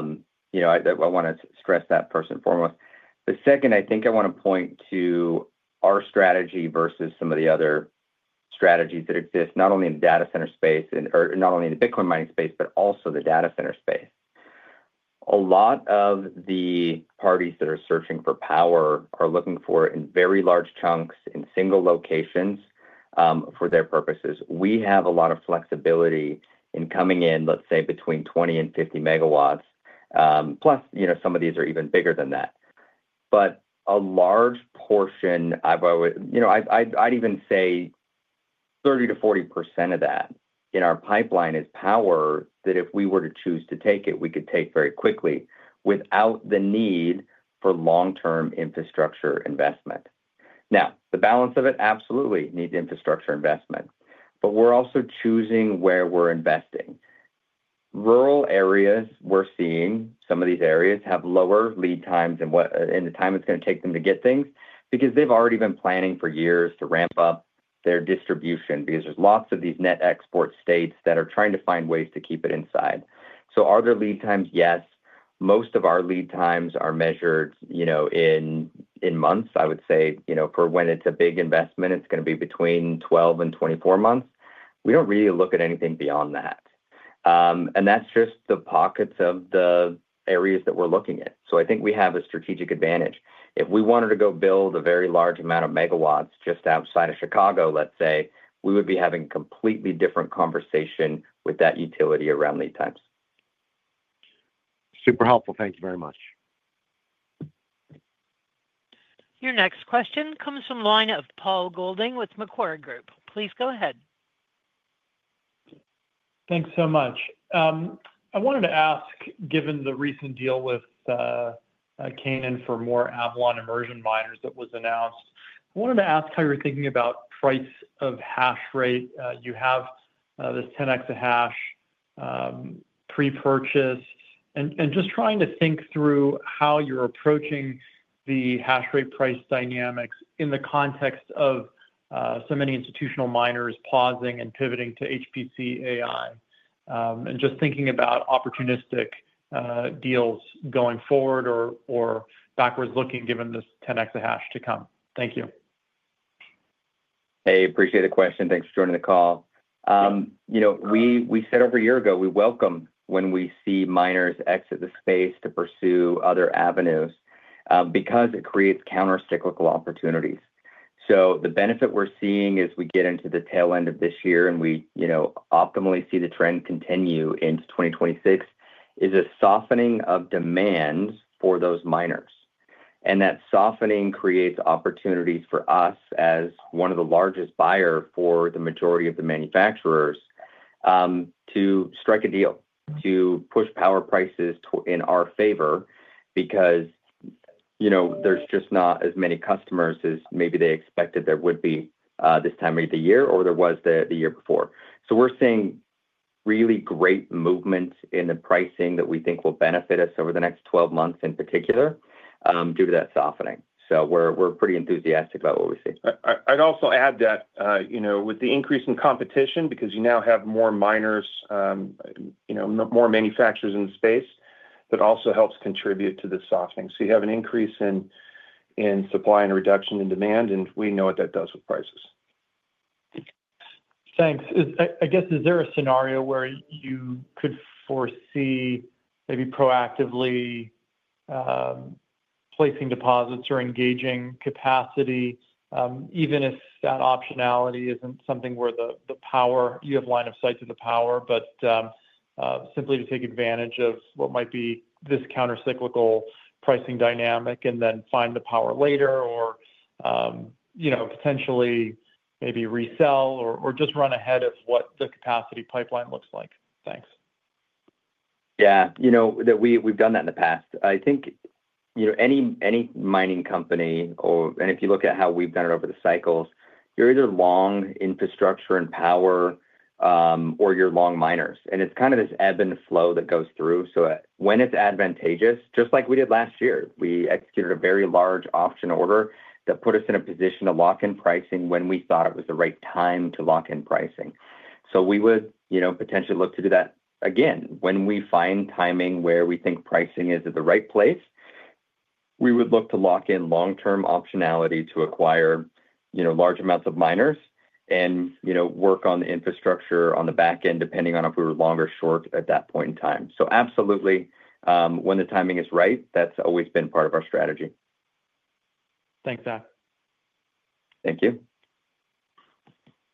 want to stress that first and foremost. The second, I think I want to point to our strategy versus some of the other strategies that exist not only in the data center space, or not only in the Bitcoin mining space, but also the data center space. A lot of the parties that are searching for power are looking for it in very large chunks in single locations for their purposes. We have a lot of flexibility in coming in, let's say, between 20 MW and 50 MW. Plus, some of these are even bigger than that. A large portion, I'd even say 30 to 40% of that in our pipeline is power that if we were to choose to take it, we could take very quickly without the need for long-term infrastructure investment. The balance of it absolutely needs infrastructure investment, but we're also choosing where we're investing. Rural areas, we're seeing some of these areas have lower lead times than the time it's going to take them to get things because they've already been planning for years to ramp up their distribution because there's lots of these net export states that are trying to find ways to keep it inside. Are there lead times? Yes. Most of our lead times are measured in months. I would say for when it's a big investment, it's going to be between 12 and 24 months. We don't really look at anything beyond that. That's just the pockets of the areas that we're looking at. I think we have a strategic advantage. If we wanted to go build a very large amount of megawatts just outside of Chicago, let's say, we would be having a completely different conversation with that utility around lead times.
Super helpful. Thank you very much.
Your next question comes from the line of Paul Golding with Macquarie Group. Please go ahead.
Thanks so much. I wanted to ask, given the recent deal with Canaan for more Avalon immersion miners that was announced, I wanted to ask how you're thinking about price of hash rate. You have this 10 EH pre-purchased, and just trying to think through how you're approaching the hash rate price dynamics in the context of so many institutional miners pausing and pivoting to HPC AI, and just thinking about opportunistic deals going forward or backwards looking given this 10 EH to come. Thank you.
Hey, appreciate the question. Thanks for joining the call. You know, we said over a year ago we welcome when we see miners exit the space to pursue other avenues because it creates countercyclical opportunities. The benefit we're seeing as we get into the tail end of this year and we, you know, optimally see the trend continue into 2026 is a softening of demand for those miners. That softening creates opportunities for us as one of the largest buyers for the majority of the manufacturers to strike a deal to push power prices in our favor because, you know, there's just not as many customers as maybe they expected there would be this time of the year or there was the year before. We're seeing really great movements in the pricing that we think will benefit us over the next 12 months in particular due to that softening. We're pretty enthusiastic about what we see.
I'd also add that, with the increase in competition because you now have more miners, more manufacturers in the space, that also helps contribute to this softening. You have an increase in supply and a reduction in demand, and we know what that does with prices.
Thanks. I guess, is there a scenario where you could foresee maybe proactively placing deposits or engaging capacity, even if that optionality isn't something where you have line of sight to the power, but simply to take advantage of what might be this countercyclical pricing dynamic and then find the power later, or potentially maybe resell or just run ahead of what the capacity pipeline looks like? Thanks.
Yeah, we've done that in the past. I think any mining company, if you look at how we've done it over the cycles, you're either long infrastructure and power or you're long miners. It's kind of this ebb and flow that goes through. When it's advantageous, just like we did last year, we executed a very large option order that put us in a position to lock in pricing when we thought it was the right time to lock in pricing. We would potentially look to do that again. When we find timing where we think pricing is at the right place, we would look to lock in long-term optionality to acquire large amounts of miners and work on the infrastructure on the backend depending on if we were long or short at that point in time. Absolutely, when the timing is right, that's always been part of our strategy.
Thanks, Zach.
Thank you.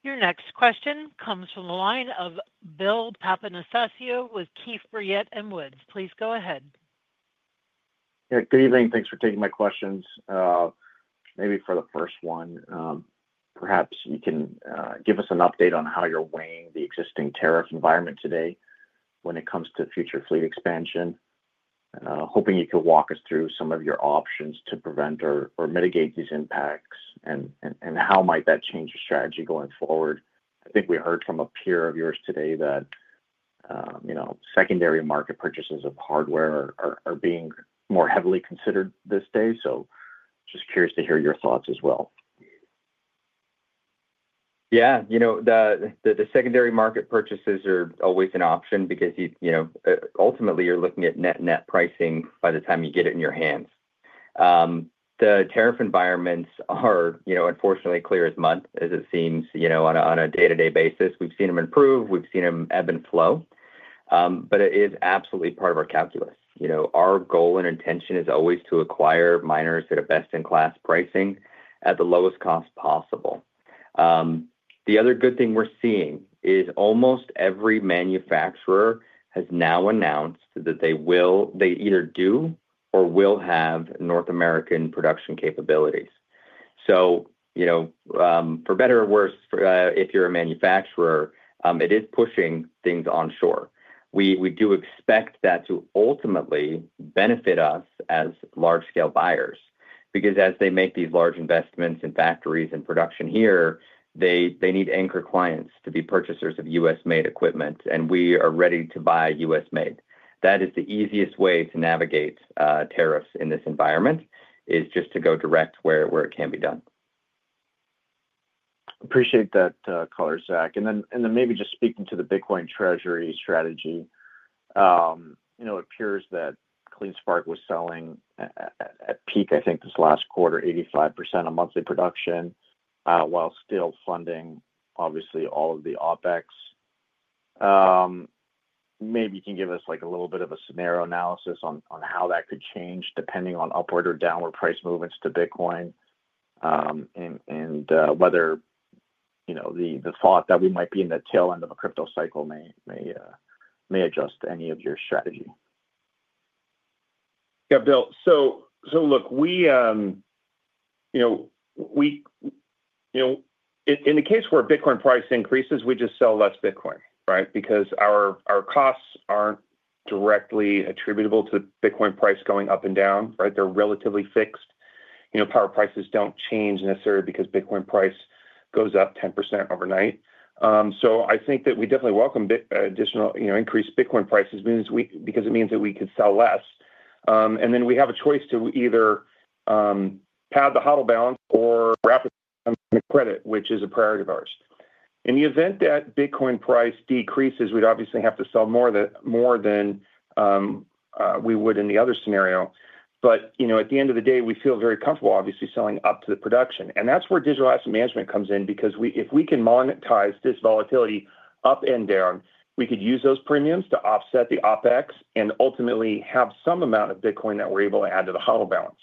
Your next question comes from the line of Bill Papanastasiou with Keefe, Bruyette and Woods. Please go ahead.
Yeah, good evening. Thanks for taking my questions. Maybe for the first one, perhaps you can give us an update on how you're weighing the existing tariff environment today when it comes to future fleet expansion. Hoping you could walk us through some of your options to prevent or mitigate these impacts and how might that change your strategy going forward. I think we heard from a peer of yours today that secondary market purchases of hardware are being more heavily considered this day. Just curious to hear your thoughts as well.
Yeah, you know, the secondary market purchases are always an option because, you know, ultimately you're looking at net net pricing by the time you get it in your hands. The tariff environments are, unfortunately, clear as mud, as it seems, on a day-to-day basis. We've seen them improve. We've seen them ebb and flow. It is absolutely part of our calculator. Our goal and intention is always to acquire miners that are best in class pricing at the lowest cost possible. The other good thing we're seeing is almost every manufacturer has now announced that they will, they either do or will have North American production capabilities. For better or worse, if you're a manufacturer, it is pushing things onshore. We do expect that to ultimately benefit us as large-scale buyers because as they make these large investments in factories and production here, they need anchor clients to be purchasers of U.S.-made equipment, and we are ready to buy U.S.-made. That is the easiest way to navigate tariffs in this environment, just to go direct where it can be done.
Appreciate that color, Zach. Maybe just speaking to the Bitcoin treasury strategy, it appears that CleanSpark was selling at peak, I think, this last quarter, 85% of monthly production while still funding, obviously, all of the OpEx. Maybe you can give us a little bit of a scenario analysis on how that could change depending on upward or downward price movements to Bitcoin and whether the thought that we might be in the tail end of a crypto cycle may adjust any of your strategy.
Yeah. Bill. Look, in the case where Bitcoin price increases, we just sell less Bitcoin, right? Because our costs aren't directly attributable to Bitcoin price going up and down, right? They're relatively fixed. Power prices don't change necessarily because Bitcoin price goes up 10% overnight. I think that we definitely welcome additional increased Bitcoin prices because it means that we could sell less. We have a choice to either pad the HODL balance or wrap it up in credit, which is a priority of ours. In the event that Bitcoin price decreases, we'd obviously have to sell more than we would in the other scenario. At the end of the day, we feel very comfortable, obviously, selling up to the production. That's where digital asset management comes in because if we can monetize this volatility up and down, we could use those premiums to offset the OpEx and ultimately have some amount of Bitcoin that we're able to add to the HODL balance.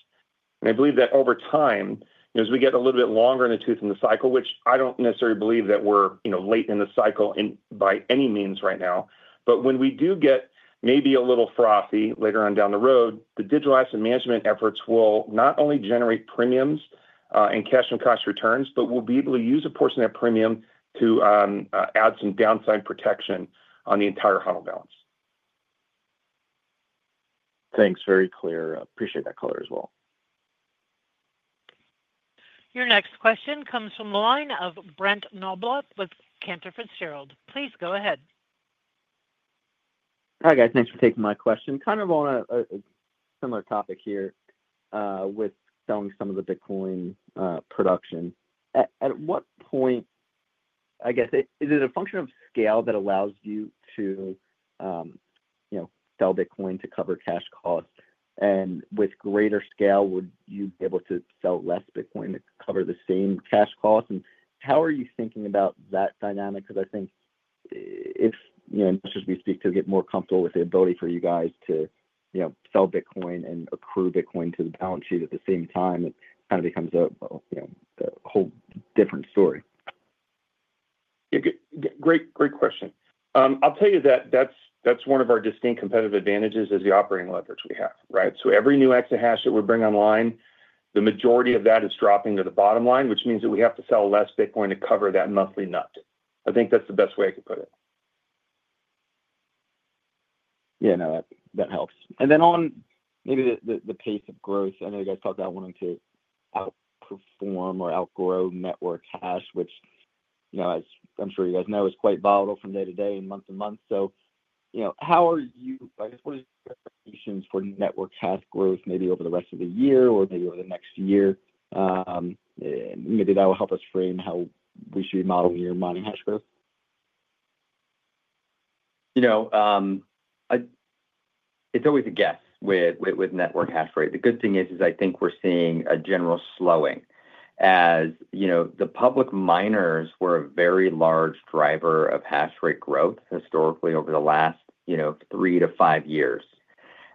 I believe that over time, as we get a little bit longer in the tooth in the cycle, which I don't necessarily believe that we're late in the cycle by any means right now, when we do get maybe a little frothy later on down the road, the digital asset management efforts will not only generate premiums and cash on cash returns, but we'll be able to use a portion of that premium to add some downside protection on the entire HODL balance.
Thanks, very clear. Appreciate that color as well.
Your next question comes from the line of Brett Knoblauch with Cantor Fitzgerald. Please go ahead.
Hi, guys. Thanks for taking my question. Kind of on a similar topic here with selling some of the Bitcoin production. At what point is it a function of scale that allows you to sell Bitcoin to cover cash costs? With greater scale, would you be able to sell less Bitcoin to cover the same cash costs? How are you thinking about that dynamic? I think as much as we speak to get more comfortable with the ability for you guys to sell Bitcoin and accrue Bitcoin to the balance sheet at the same time, it kind of becomes a whole different story.
Great, great question. I'll tell you that that's one of our distinct competitive advantages is the operating leverage we have, right? Every new exahash that we bring online, the majority of that is dropping to the bottom line, which means that we have to sell less Bitcoin to cover that monthly nut. I think that's the best way I could put it.
Yeah, that helps. On the pace of growth, I know you guys talked about wanting to outperform or outgrow network hash, which, as I'm sure you guys know, is quite volatile from day to day and month to month. How are you, I guess, what are your expectations for network hash growth over the rest of the year or over the next year? Maybe that will help us frame how we should be modeling your mining hash growth.
You know, it's always a guess with network hash rate. The good thing is, I think we're seeing a general slowing as, you know, the public miners were a very large driver of hash rate growth historically over the last, you know, three to five years.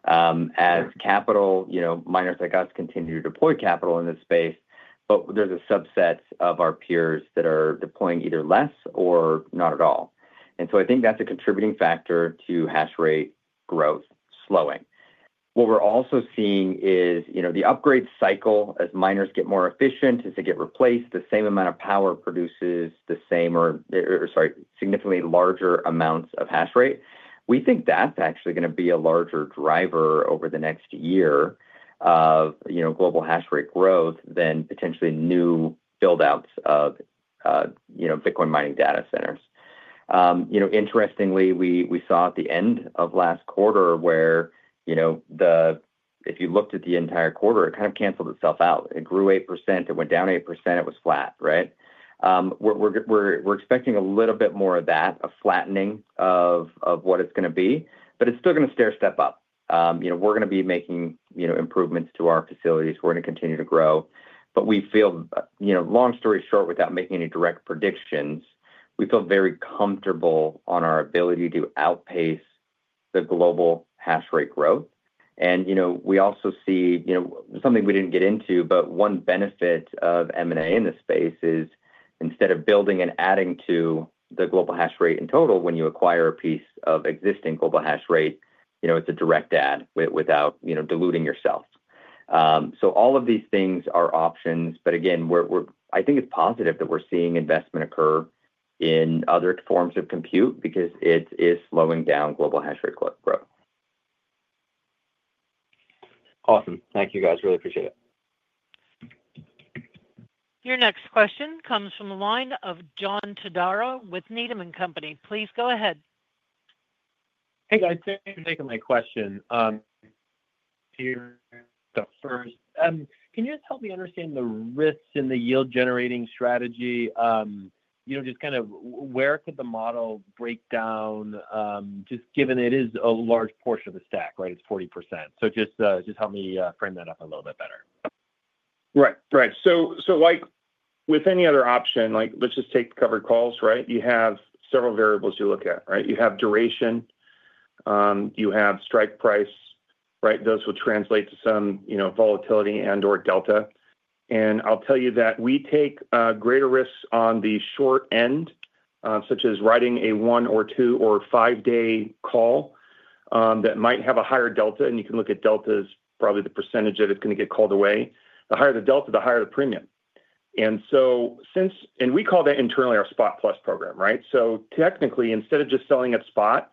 As capital, you know, miners like us continue to deploy capital in this space, but there's a subset of our peers that are deploying either less or not at all. I think that's a contributing factor to hash rate growth slowing. What we're also seeing is the upgrade cycle as miners get more efficient, as they get replaced, the same amount of power produces the same or, sorry, significantly larger amounts of hash rate. We think that's actually going to be a larger driver over the next year of, you know, global hash rate growth than potentially new buildouts of, you know, Bitcoin mining data centers. Interestingly, we saw at the end of last quarter where, you know, if you looked at the entire quarter, it kind of canceled itself out. It grew 8%, it went down 8%, it was flat, right? We're expecting a little bit more of that flattening of what it's going to be, but it's still going to stair-step up. We're going to be making improvements to our facilities. We're going to continue to grow. We feel, long story short, without making any direct predictions, we feel very comfortable on our ability to outpace the global hash rate growth. We also see, you know, something we didn't get into, but one benefit of M&A in this space is instead of building and adding to the global hash rate in total, when you acquire a piece of existing global hash rate, it's a direct add without, you know, diluting yourself. All of these things are options. I think it's positive that we're seeing investment occur in other forms of compute because it is slowing down global hash rate growth.
Awesome. Thank you, guys. Really appreciate it.
Your next question comes from the line of John Todaro with Needham and Company. Please go ahead.
Hey, guys. Thanks for taking my question. To your first, can you just help me understand the risks in the yield-generating strategy? You know, just kind of where could the model break down, just given it is a large portion of the stack, right? It's 40%. Just help me frame that up a little bit better.
Right, right. Like with any other option, like let's just take covered calls, right? You have several variables you look at, right? You have duration, you have strike price, right? Those will translate to some volatility and/or delta. I'll tell you that we take greater risks on the short end, such as writing a one or two or five-day call that might have a higher delta, and you can look at delta as probably the percentage that it's going to get called away. The higher the delta, the higher the premium. Since, and we call that internally our spot plus program, right? Technically, instead of just selling at spot,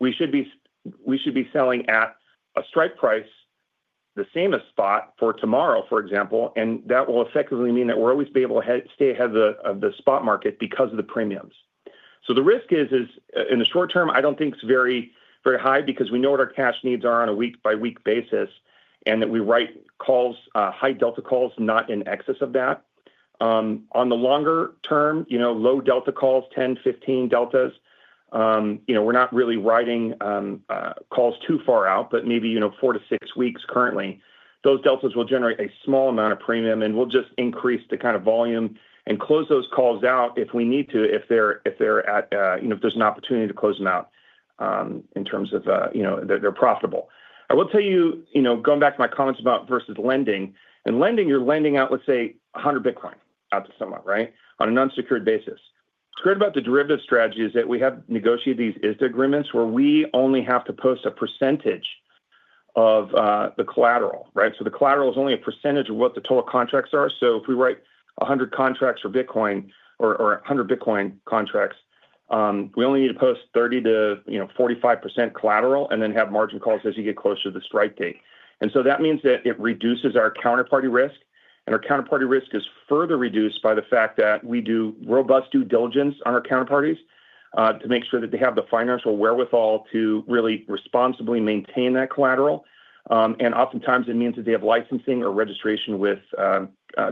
we should be selling at a strike price the same as spot for tomorrow, for example, and that will effectively mean that we'll always be able to stay ahead of the spot market because of the premiums. The risk is, in the short term, I don't think it's very, very high because we know what our cash needs are on a week-by-week basis and that we write calls, high delta calls, not in excess of that. On the longer term, low delta calls, 10, 15 deltas, we're not really writing calls too far out, but maybe four to six weeks currently, those deltas will generate a small amount of premium and will just increase the kind of volume and close those calls out if we need to, if there's an opportunity to close them out in terms of, you know, they're profitable. I'll tell you, going back to my comments about versus lending, in lending, you're lending out, let's say, 100 Bitcoin out to someone, right, on an unsecured basis. Great about the derivative strategy is that we have negotiated these ISDA agreements where we only have to post a percentage of the collateral, right? The collateral is only a percentage of what the total contracts are. If we write 100 contracts for Bitcoin or 100 Bitcoin contracts, we only need to post 30%-45% collateral and then have margin calls as you get closer to the strike date. That means that it reduces our counterparty risk, and our counterparty risk is further reduced by the fact that we do robust due diligence on our counterparties to make sure that they have the financial wherewithal to really responsibly maintain that collateral. Oftentimes, it means that they have licensing or registration with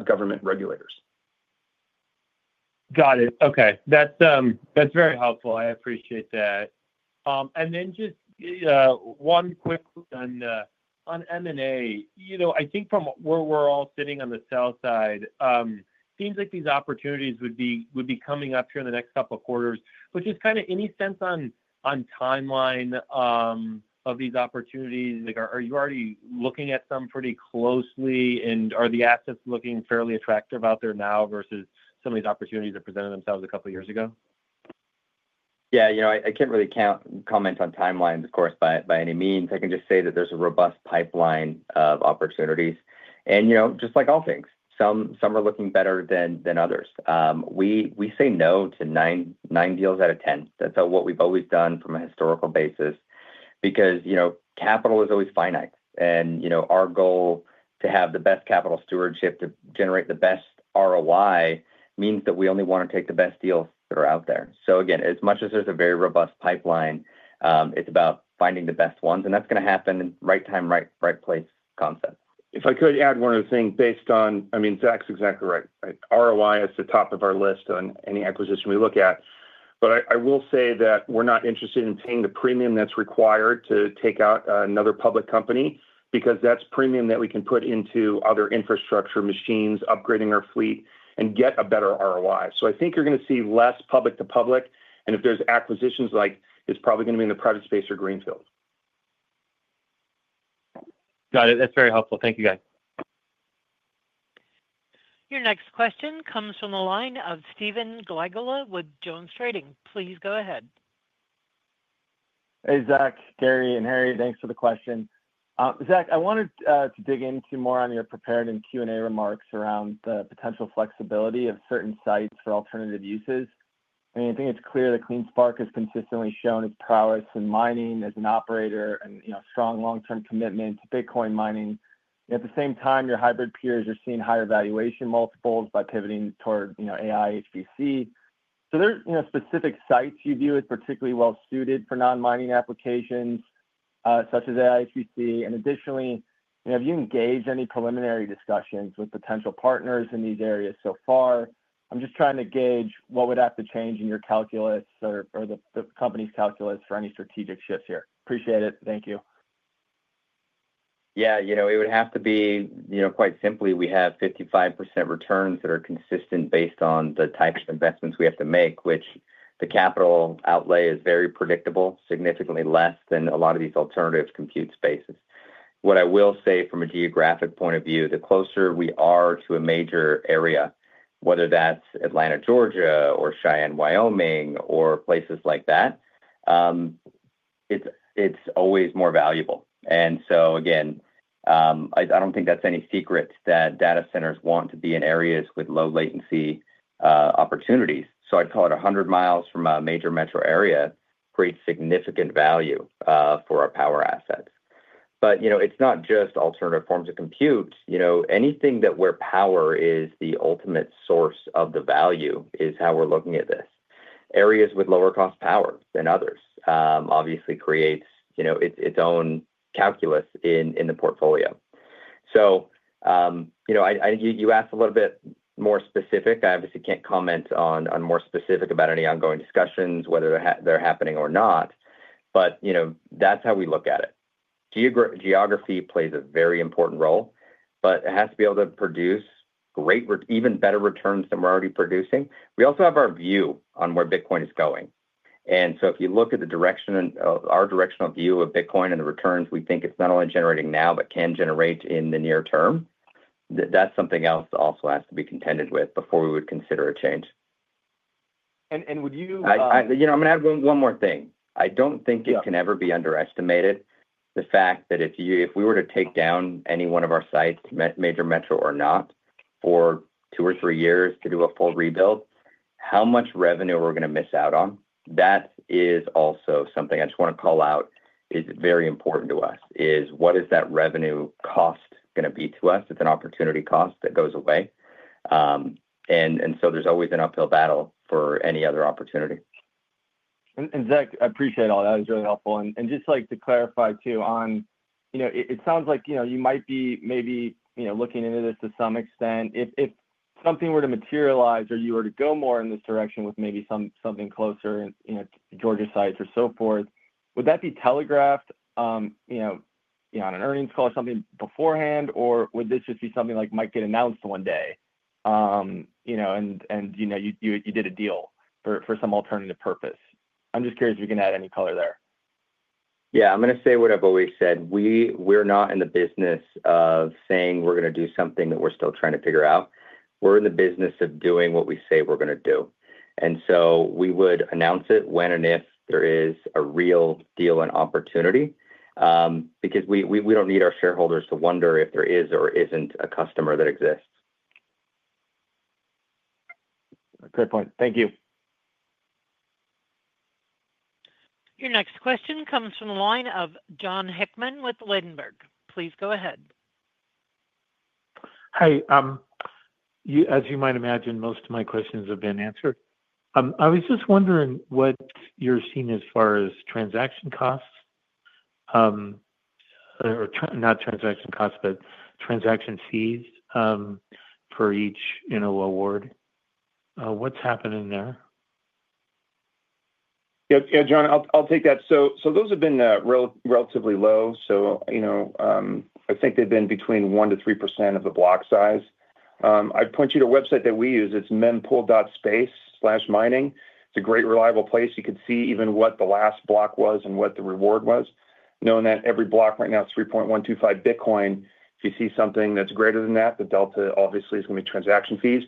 government regulators.
Got it. Okay. That's very helpful. I appreciate that. Just one quick on M&A. I think from where we're all sitting on the sell side, it seems like these opportunities would be coming up here in the next couple of quarters. Just kind of any sense on timeline of these opportunities? Are you already looking at some pretty closely, and are the assets looking fairly attractive out there now versus some of these opportunities that presented themselves a couple of years ago?
Yeah, you know, I can't really comment on timelines, of course, by any means. I can just say that there's a robust pipeline of opportunities. Just like all things, some are looking better than others. We say no to nine deals out of ten. That's what we've always done from a historical basis because, you know, capital is always finite. Our goal to have the best capital stewardship to generate the best ROI means that we only want to take the best deals that are out there. Again, as much as there's a very robust pipeline, it's about finding the best ones, and that's going to happen in the right time, right place concept.
If I could add one other thing based on, I mean, Zach's exactly right. ROI is the top of our list on any acquisition we look at. I will say that we're not interested in paying the premium that's required to take out another public company because that's a premium that we can put into other infrastructure, machines, upgrading our fleet, and get a better ROI. I think you're going to see less public to public. If there's acquisitions, like it's probably going to be in the private space or greenfield.
Got it. That's very helpful. Thank you, guys.
Your next question comes from the line of Stephen Glagola with JonesTrading. Please go ahead.
Hey, Zach, Gary, and Harry, thanks for the question. Zach, I wanted to dig into more on your prepared and Q&A remarks around the potential flexibility of certain sites for alternative uses. I think it's clear that CleanSpark has consistently shown its prowess in mining as an operator and a strong long-term commitment to Bitcoin mining. At the same time, your hybrid peers are seeing higher valuation multiples by pivoting toward AI, HPC. Are there specific sites you view as particularly well-suited for non-mining applications, such as AI, HPC? Additionally, have you engaged in any preliminary discussions with potential partners in these areas so far? I'm just trying to gauge what would have to change in your calculus or the company's calculus for any strategic shifts here. Appreciate it. Thank you.
Yeah, it would have to be, quite simply, we have 55% returns that are consistent based on the types of investments we have to make, which the capital outlay is very predictable, significantly less than a lot of these alternative compute spaces. What I will say from a geographic point of view, the closer we are to a major area, whether that's Atlanta, Georgia, or Cheyenne, Wyoming, or places like that, it's always more valuable. I don't think that's any secret that data centers want to be in areas with low latency opportunities. I'd call it 100 miles from a major metro area creates significant value for our power assets. It's not just alternative forms of compute. Anything where power is the ultimate source of the value is how we're looking at this. Areas with lower cost power than others obviously create its own calculus in the portfolio. I think you asked a little bit more specific. I obviously can't comment on more specific about any ongoing discussions, whether they're happening or not. That's how we look at it. Geography plays a very important role, but it has to be able to produce great, even better returns than we're already producing. We also have our view on where Bitcoin is going. If you look at the direction and our directional view of Bitcoin and the returns we think it's not only generating now, but can generate in the near term, that's something else that also has to be contended with before we would consider a change.
Would you...
You know, I'm going to add one more thing. I don't think it can ever be underestimated the fact that if we were to take down any one of our sites, major metro or not, for two or three years to do a full rebuild, how much revenue we're going to miss out on. That is also something I just want to call out is very important to us. What is that revenue cost going to be to us? It's an opportunity cost that goes away, so there's always an uphill battle for any other opportunity.
Zach, I appreciate all that. It was really helpful. I would just like to clarify too, it sounds like you might be maybe looking into this to some extent. If something were to materialize or you were to go more in this direction with maybe something closer to Georgia sites or so forth, would that be telegraphed on an earnings call or something beforehand, or would this just be something that might get announced one day, and you did a deal for some alternative purpose? I'm just curious if you can add any color there.
Yeah, I'm going to say what I've always said. We're not in the business of saying we're going to do something that we're still trying to figure out. We're in the business of doing what we say we're going to do. We would announce it when and if there is a real deal and opportunity because we don't need our shareholders to wonder if there is or isn't a customer that exists.
Good point. Thank you.
Your next question comes from the line of Jon Hickman with Ladenburg. Please go ahead.
Hi. As you might imagine, most of my questions have been answered. I was just wondering what you're seeing as far as transaction fees per each, you know, award. What's happening there?
Yeah, John, I'll take that. Those have been relatively low. I think they've been between 1%-3% of the block size. I'd point you to a website that we use. It's mempool.space/mining. It's a great, reliable place. You could see even what the last block was and what the reward was. Knowing that every block right now is 3.125 Bitcoin, if you see something that's greater than that, the delta obviously is going to be transaction fees.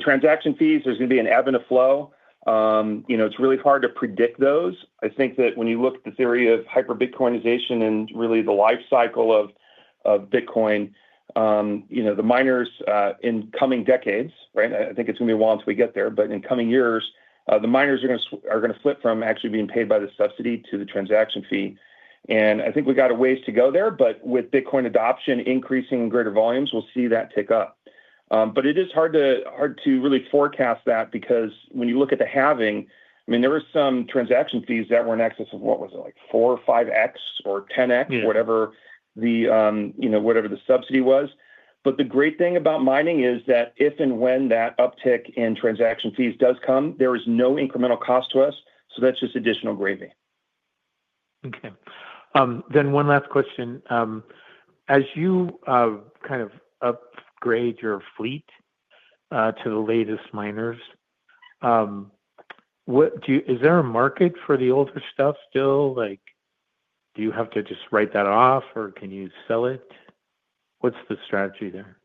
Transaction fees, there's going to be an ebb and a flow. It's really hard to predict those. I think that when you look at the theory of hyper-Bitcoinization and really the life cycle of Bitcoin, the miners in coming decades, right? I think it's going to be a while until we get there, but in coming years, the miners are going to flip from actually being paid by the subsidy to the transaction fee. I think we got a ways to go there, but with Bitcoin adoption increasing in greater volumes, we'll see that tick up. It is hard to really forecast that because when you look at the halving, there were some transaction fees that were in excess of, what was it, like 4x or 5x or 10x, whatever the subsidy was. The great thing about mining is that if and when that uptick in transaction fees does come, there is no incremental cost to us. That's just additional gravy.
Okay. One last question. As you kind of upgrade your fleet to the latest miners, is there a market for the older stuff still? Do you have to just write that off or can you sell it? What's the strategy there?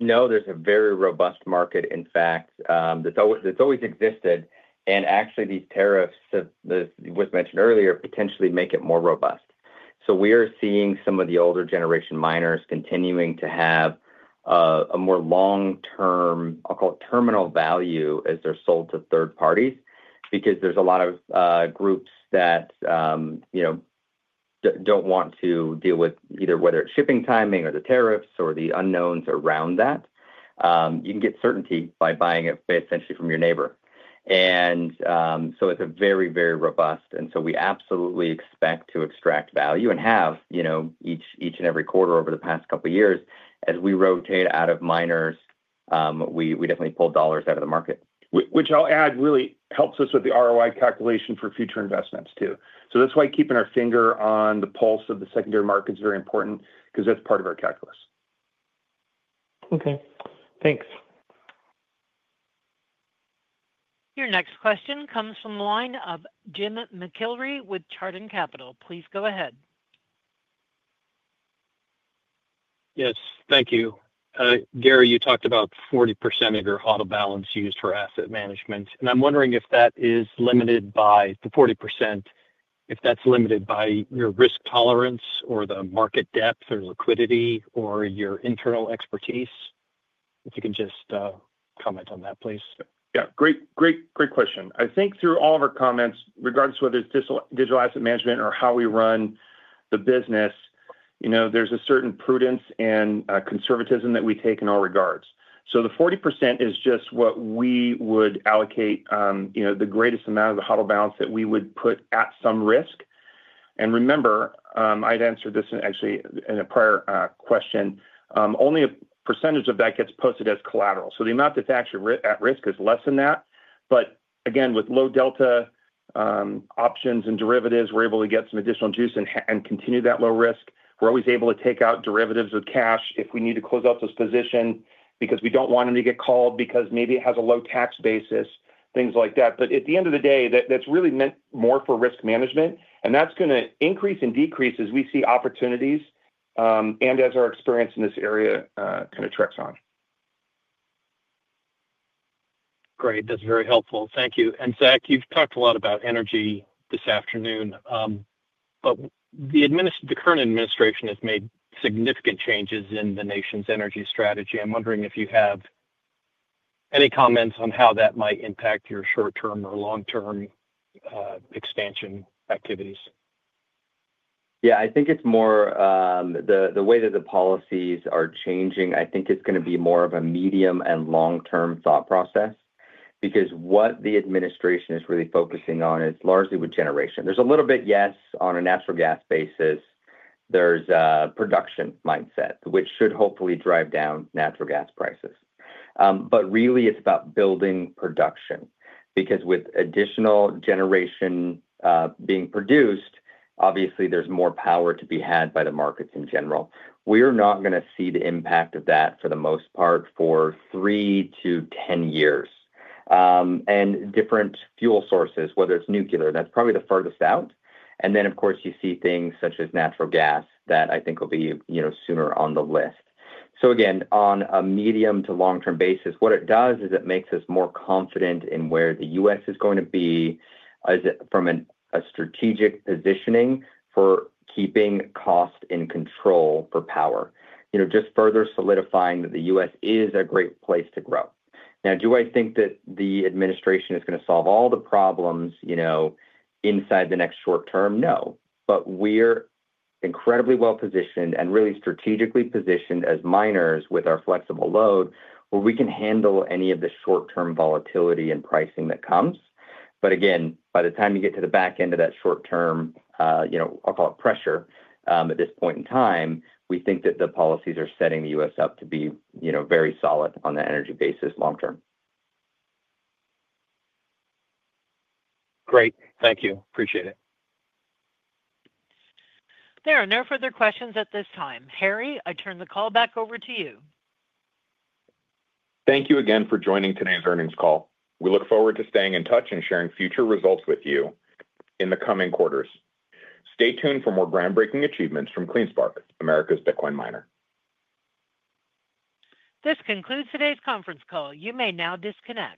No, there's a very robust market, in fact, that's always existed. Actually, these tariffs that were mentioned earlier potentially make it more robust. We are seeing some of the older generation miners continuing to have a more long-term, I'll call it terminal value as they're sold to third parties. It's because there's a lot of groups that don't want to deal with either whether it's shipping timing or the tariffs or the unknowns around that. You can get certainty by buying it essentially from your neighbor. It's a very, very robust market, and we absolutely expect to extract value and have, each and every quarter over the past couple of years, as we rotate out of miners, we definitely pull dollars out of the market.
Which I'll add really helps us with the ROI calculation for future investments too. That's why keeping our finger on the pulse of the secondary market is very important because that's part of our calculus.
Okay. Thanks.
Your next question comes from the line of Jim Mcllree with Chardan Capital. Please go ahead.
Yes, thank you. Gary, you talked about 40% of your auto balance used for asset management. I'm wondering if that is limited by the 40%, if that's limited by your risk tolerance, the market depth, liquidity, or your internal expertise. If you can just comment on that, please.
Great question. I think through all of our comments, regardless of whether it's digital asset management or how we run the business, there's a certain prudence and conservatism that we take in all regards. The 40% is just what we would allocate, the greatest amount of the auto balance that we would put at some risk. Remember, I answered this in a prior question, only a percentage of that gets posted as collateral. The amount that's actually at risk is less than that. With low delta options and derivatives, we're able to get some additional juice and continue that low risk. We're always able to take out derivatives with cash if we need to close out those positions because we don't want them to get called because maybe it has a low tax basis, things like that. At the end of the day, that's really meant more for risk management. That's going to increase and decrease as we see opportunities and as our experience in this area kind of tricks on.
Great. That's very helpful. Thank you. Zach, you've talked a lot about energy this afternoon. The current administration has made significant changes in the nation's energy strategy. I'm wondering if you have any comments on how that might impact your short-term or long-term expansion activities.
Yeah, I think it's more the way that the policies are changing. I think it's going to be more of a medium and long-term thought process because what the administration is really focusing on is largely with generation. There's a little bit, yes, on a natural gas basis. There's a production mindset, which should hopefully drive down natural gas prices. Really, it's about building production because with additional generation being produced, obviously, there's more power to be had by the markets in general. We're not going to see the impact of that for the most part for three to ten years. Different fuel sources, whether it's nuclear, that's probably the farthest out, and then, of course, you see things such as natural gas that I think will be sooner on the list. Again, on a medium to long-term basis, what it does is it makes us more confident in where the U.S. is going to be from a strategic positioning for keeping cost in control for power, just further solidifying that the U.S. is a great place to grow. Now, do I think that the administration is going to solve all the problems, you know, inside the next short term? No. We're incredibly well positioned and really strategically positioned as miners with our flexible load where we can handle any of the short-term volatility and pricing that comes. By the time you get to the back end of that short term, I'll call it pressure at this point in time, we think that the policies are setting the U.S. up to be very solid on the energy basis long term.
Great, thank you. Appreciate it.
There are no further questions at this time. Harry, I turn the call back over to you.
Thank you again for joining today's earnings call. We look forward to staying in touch and sharing future results with you in the coming quarters. Stay tuned for more groundbreaking achievements from CleanSpark, America's Bitcoin miner.
This concludes today's conference call. You may now disconnect.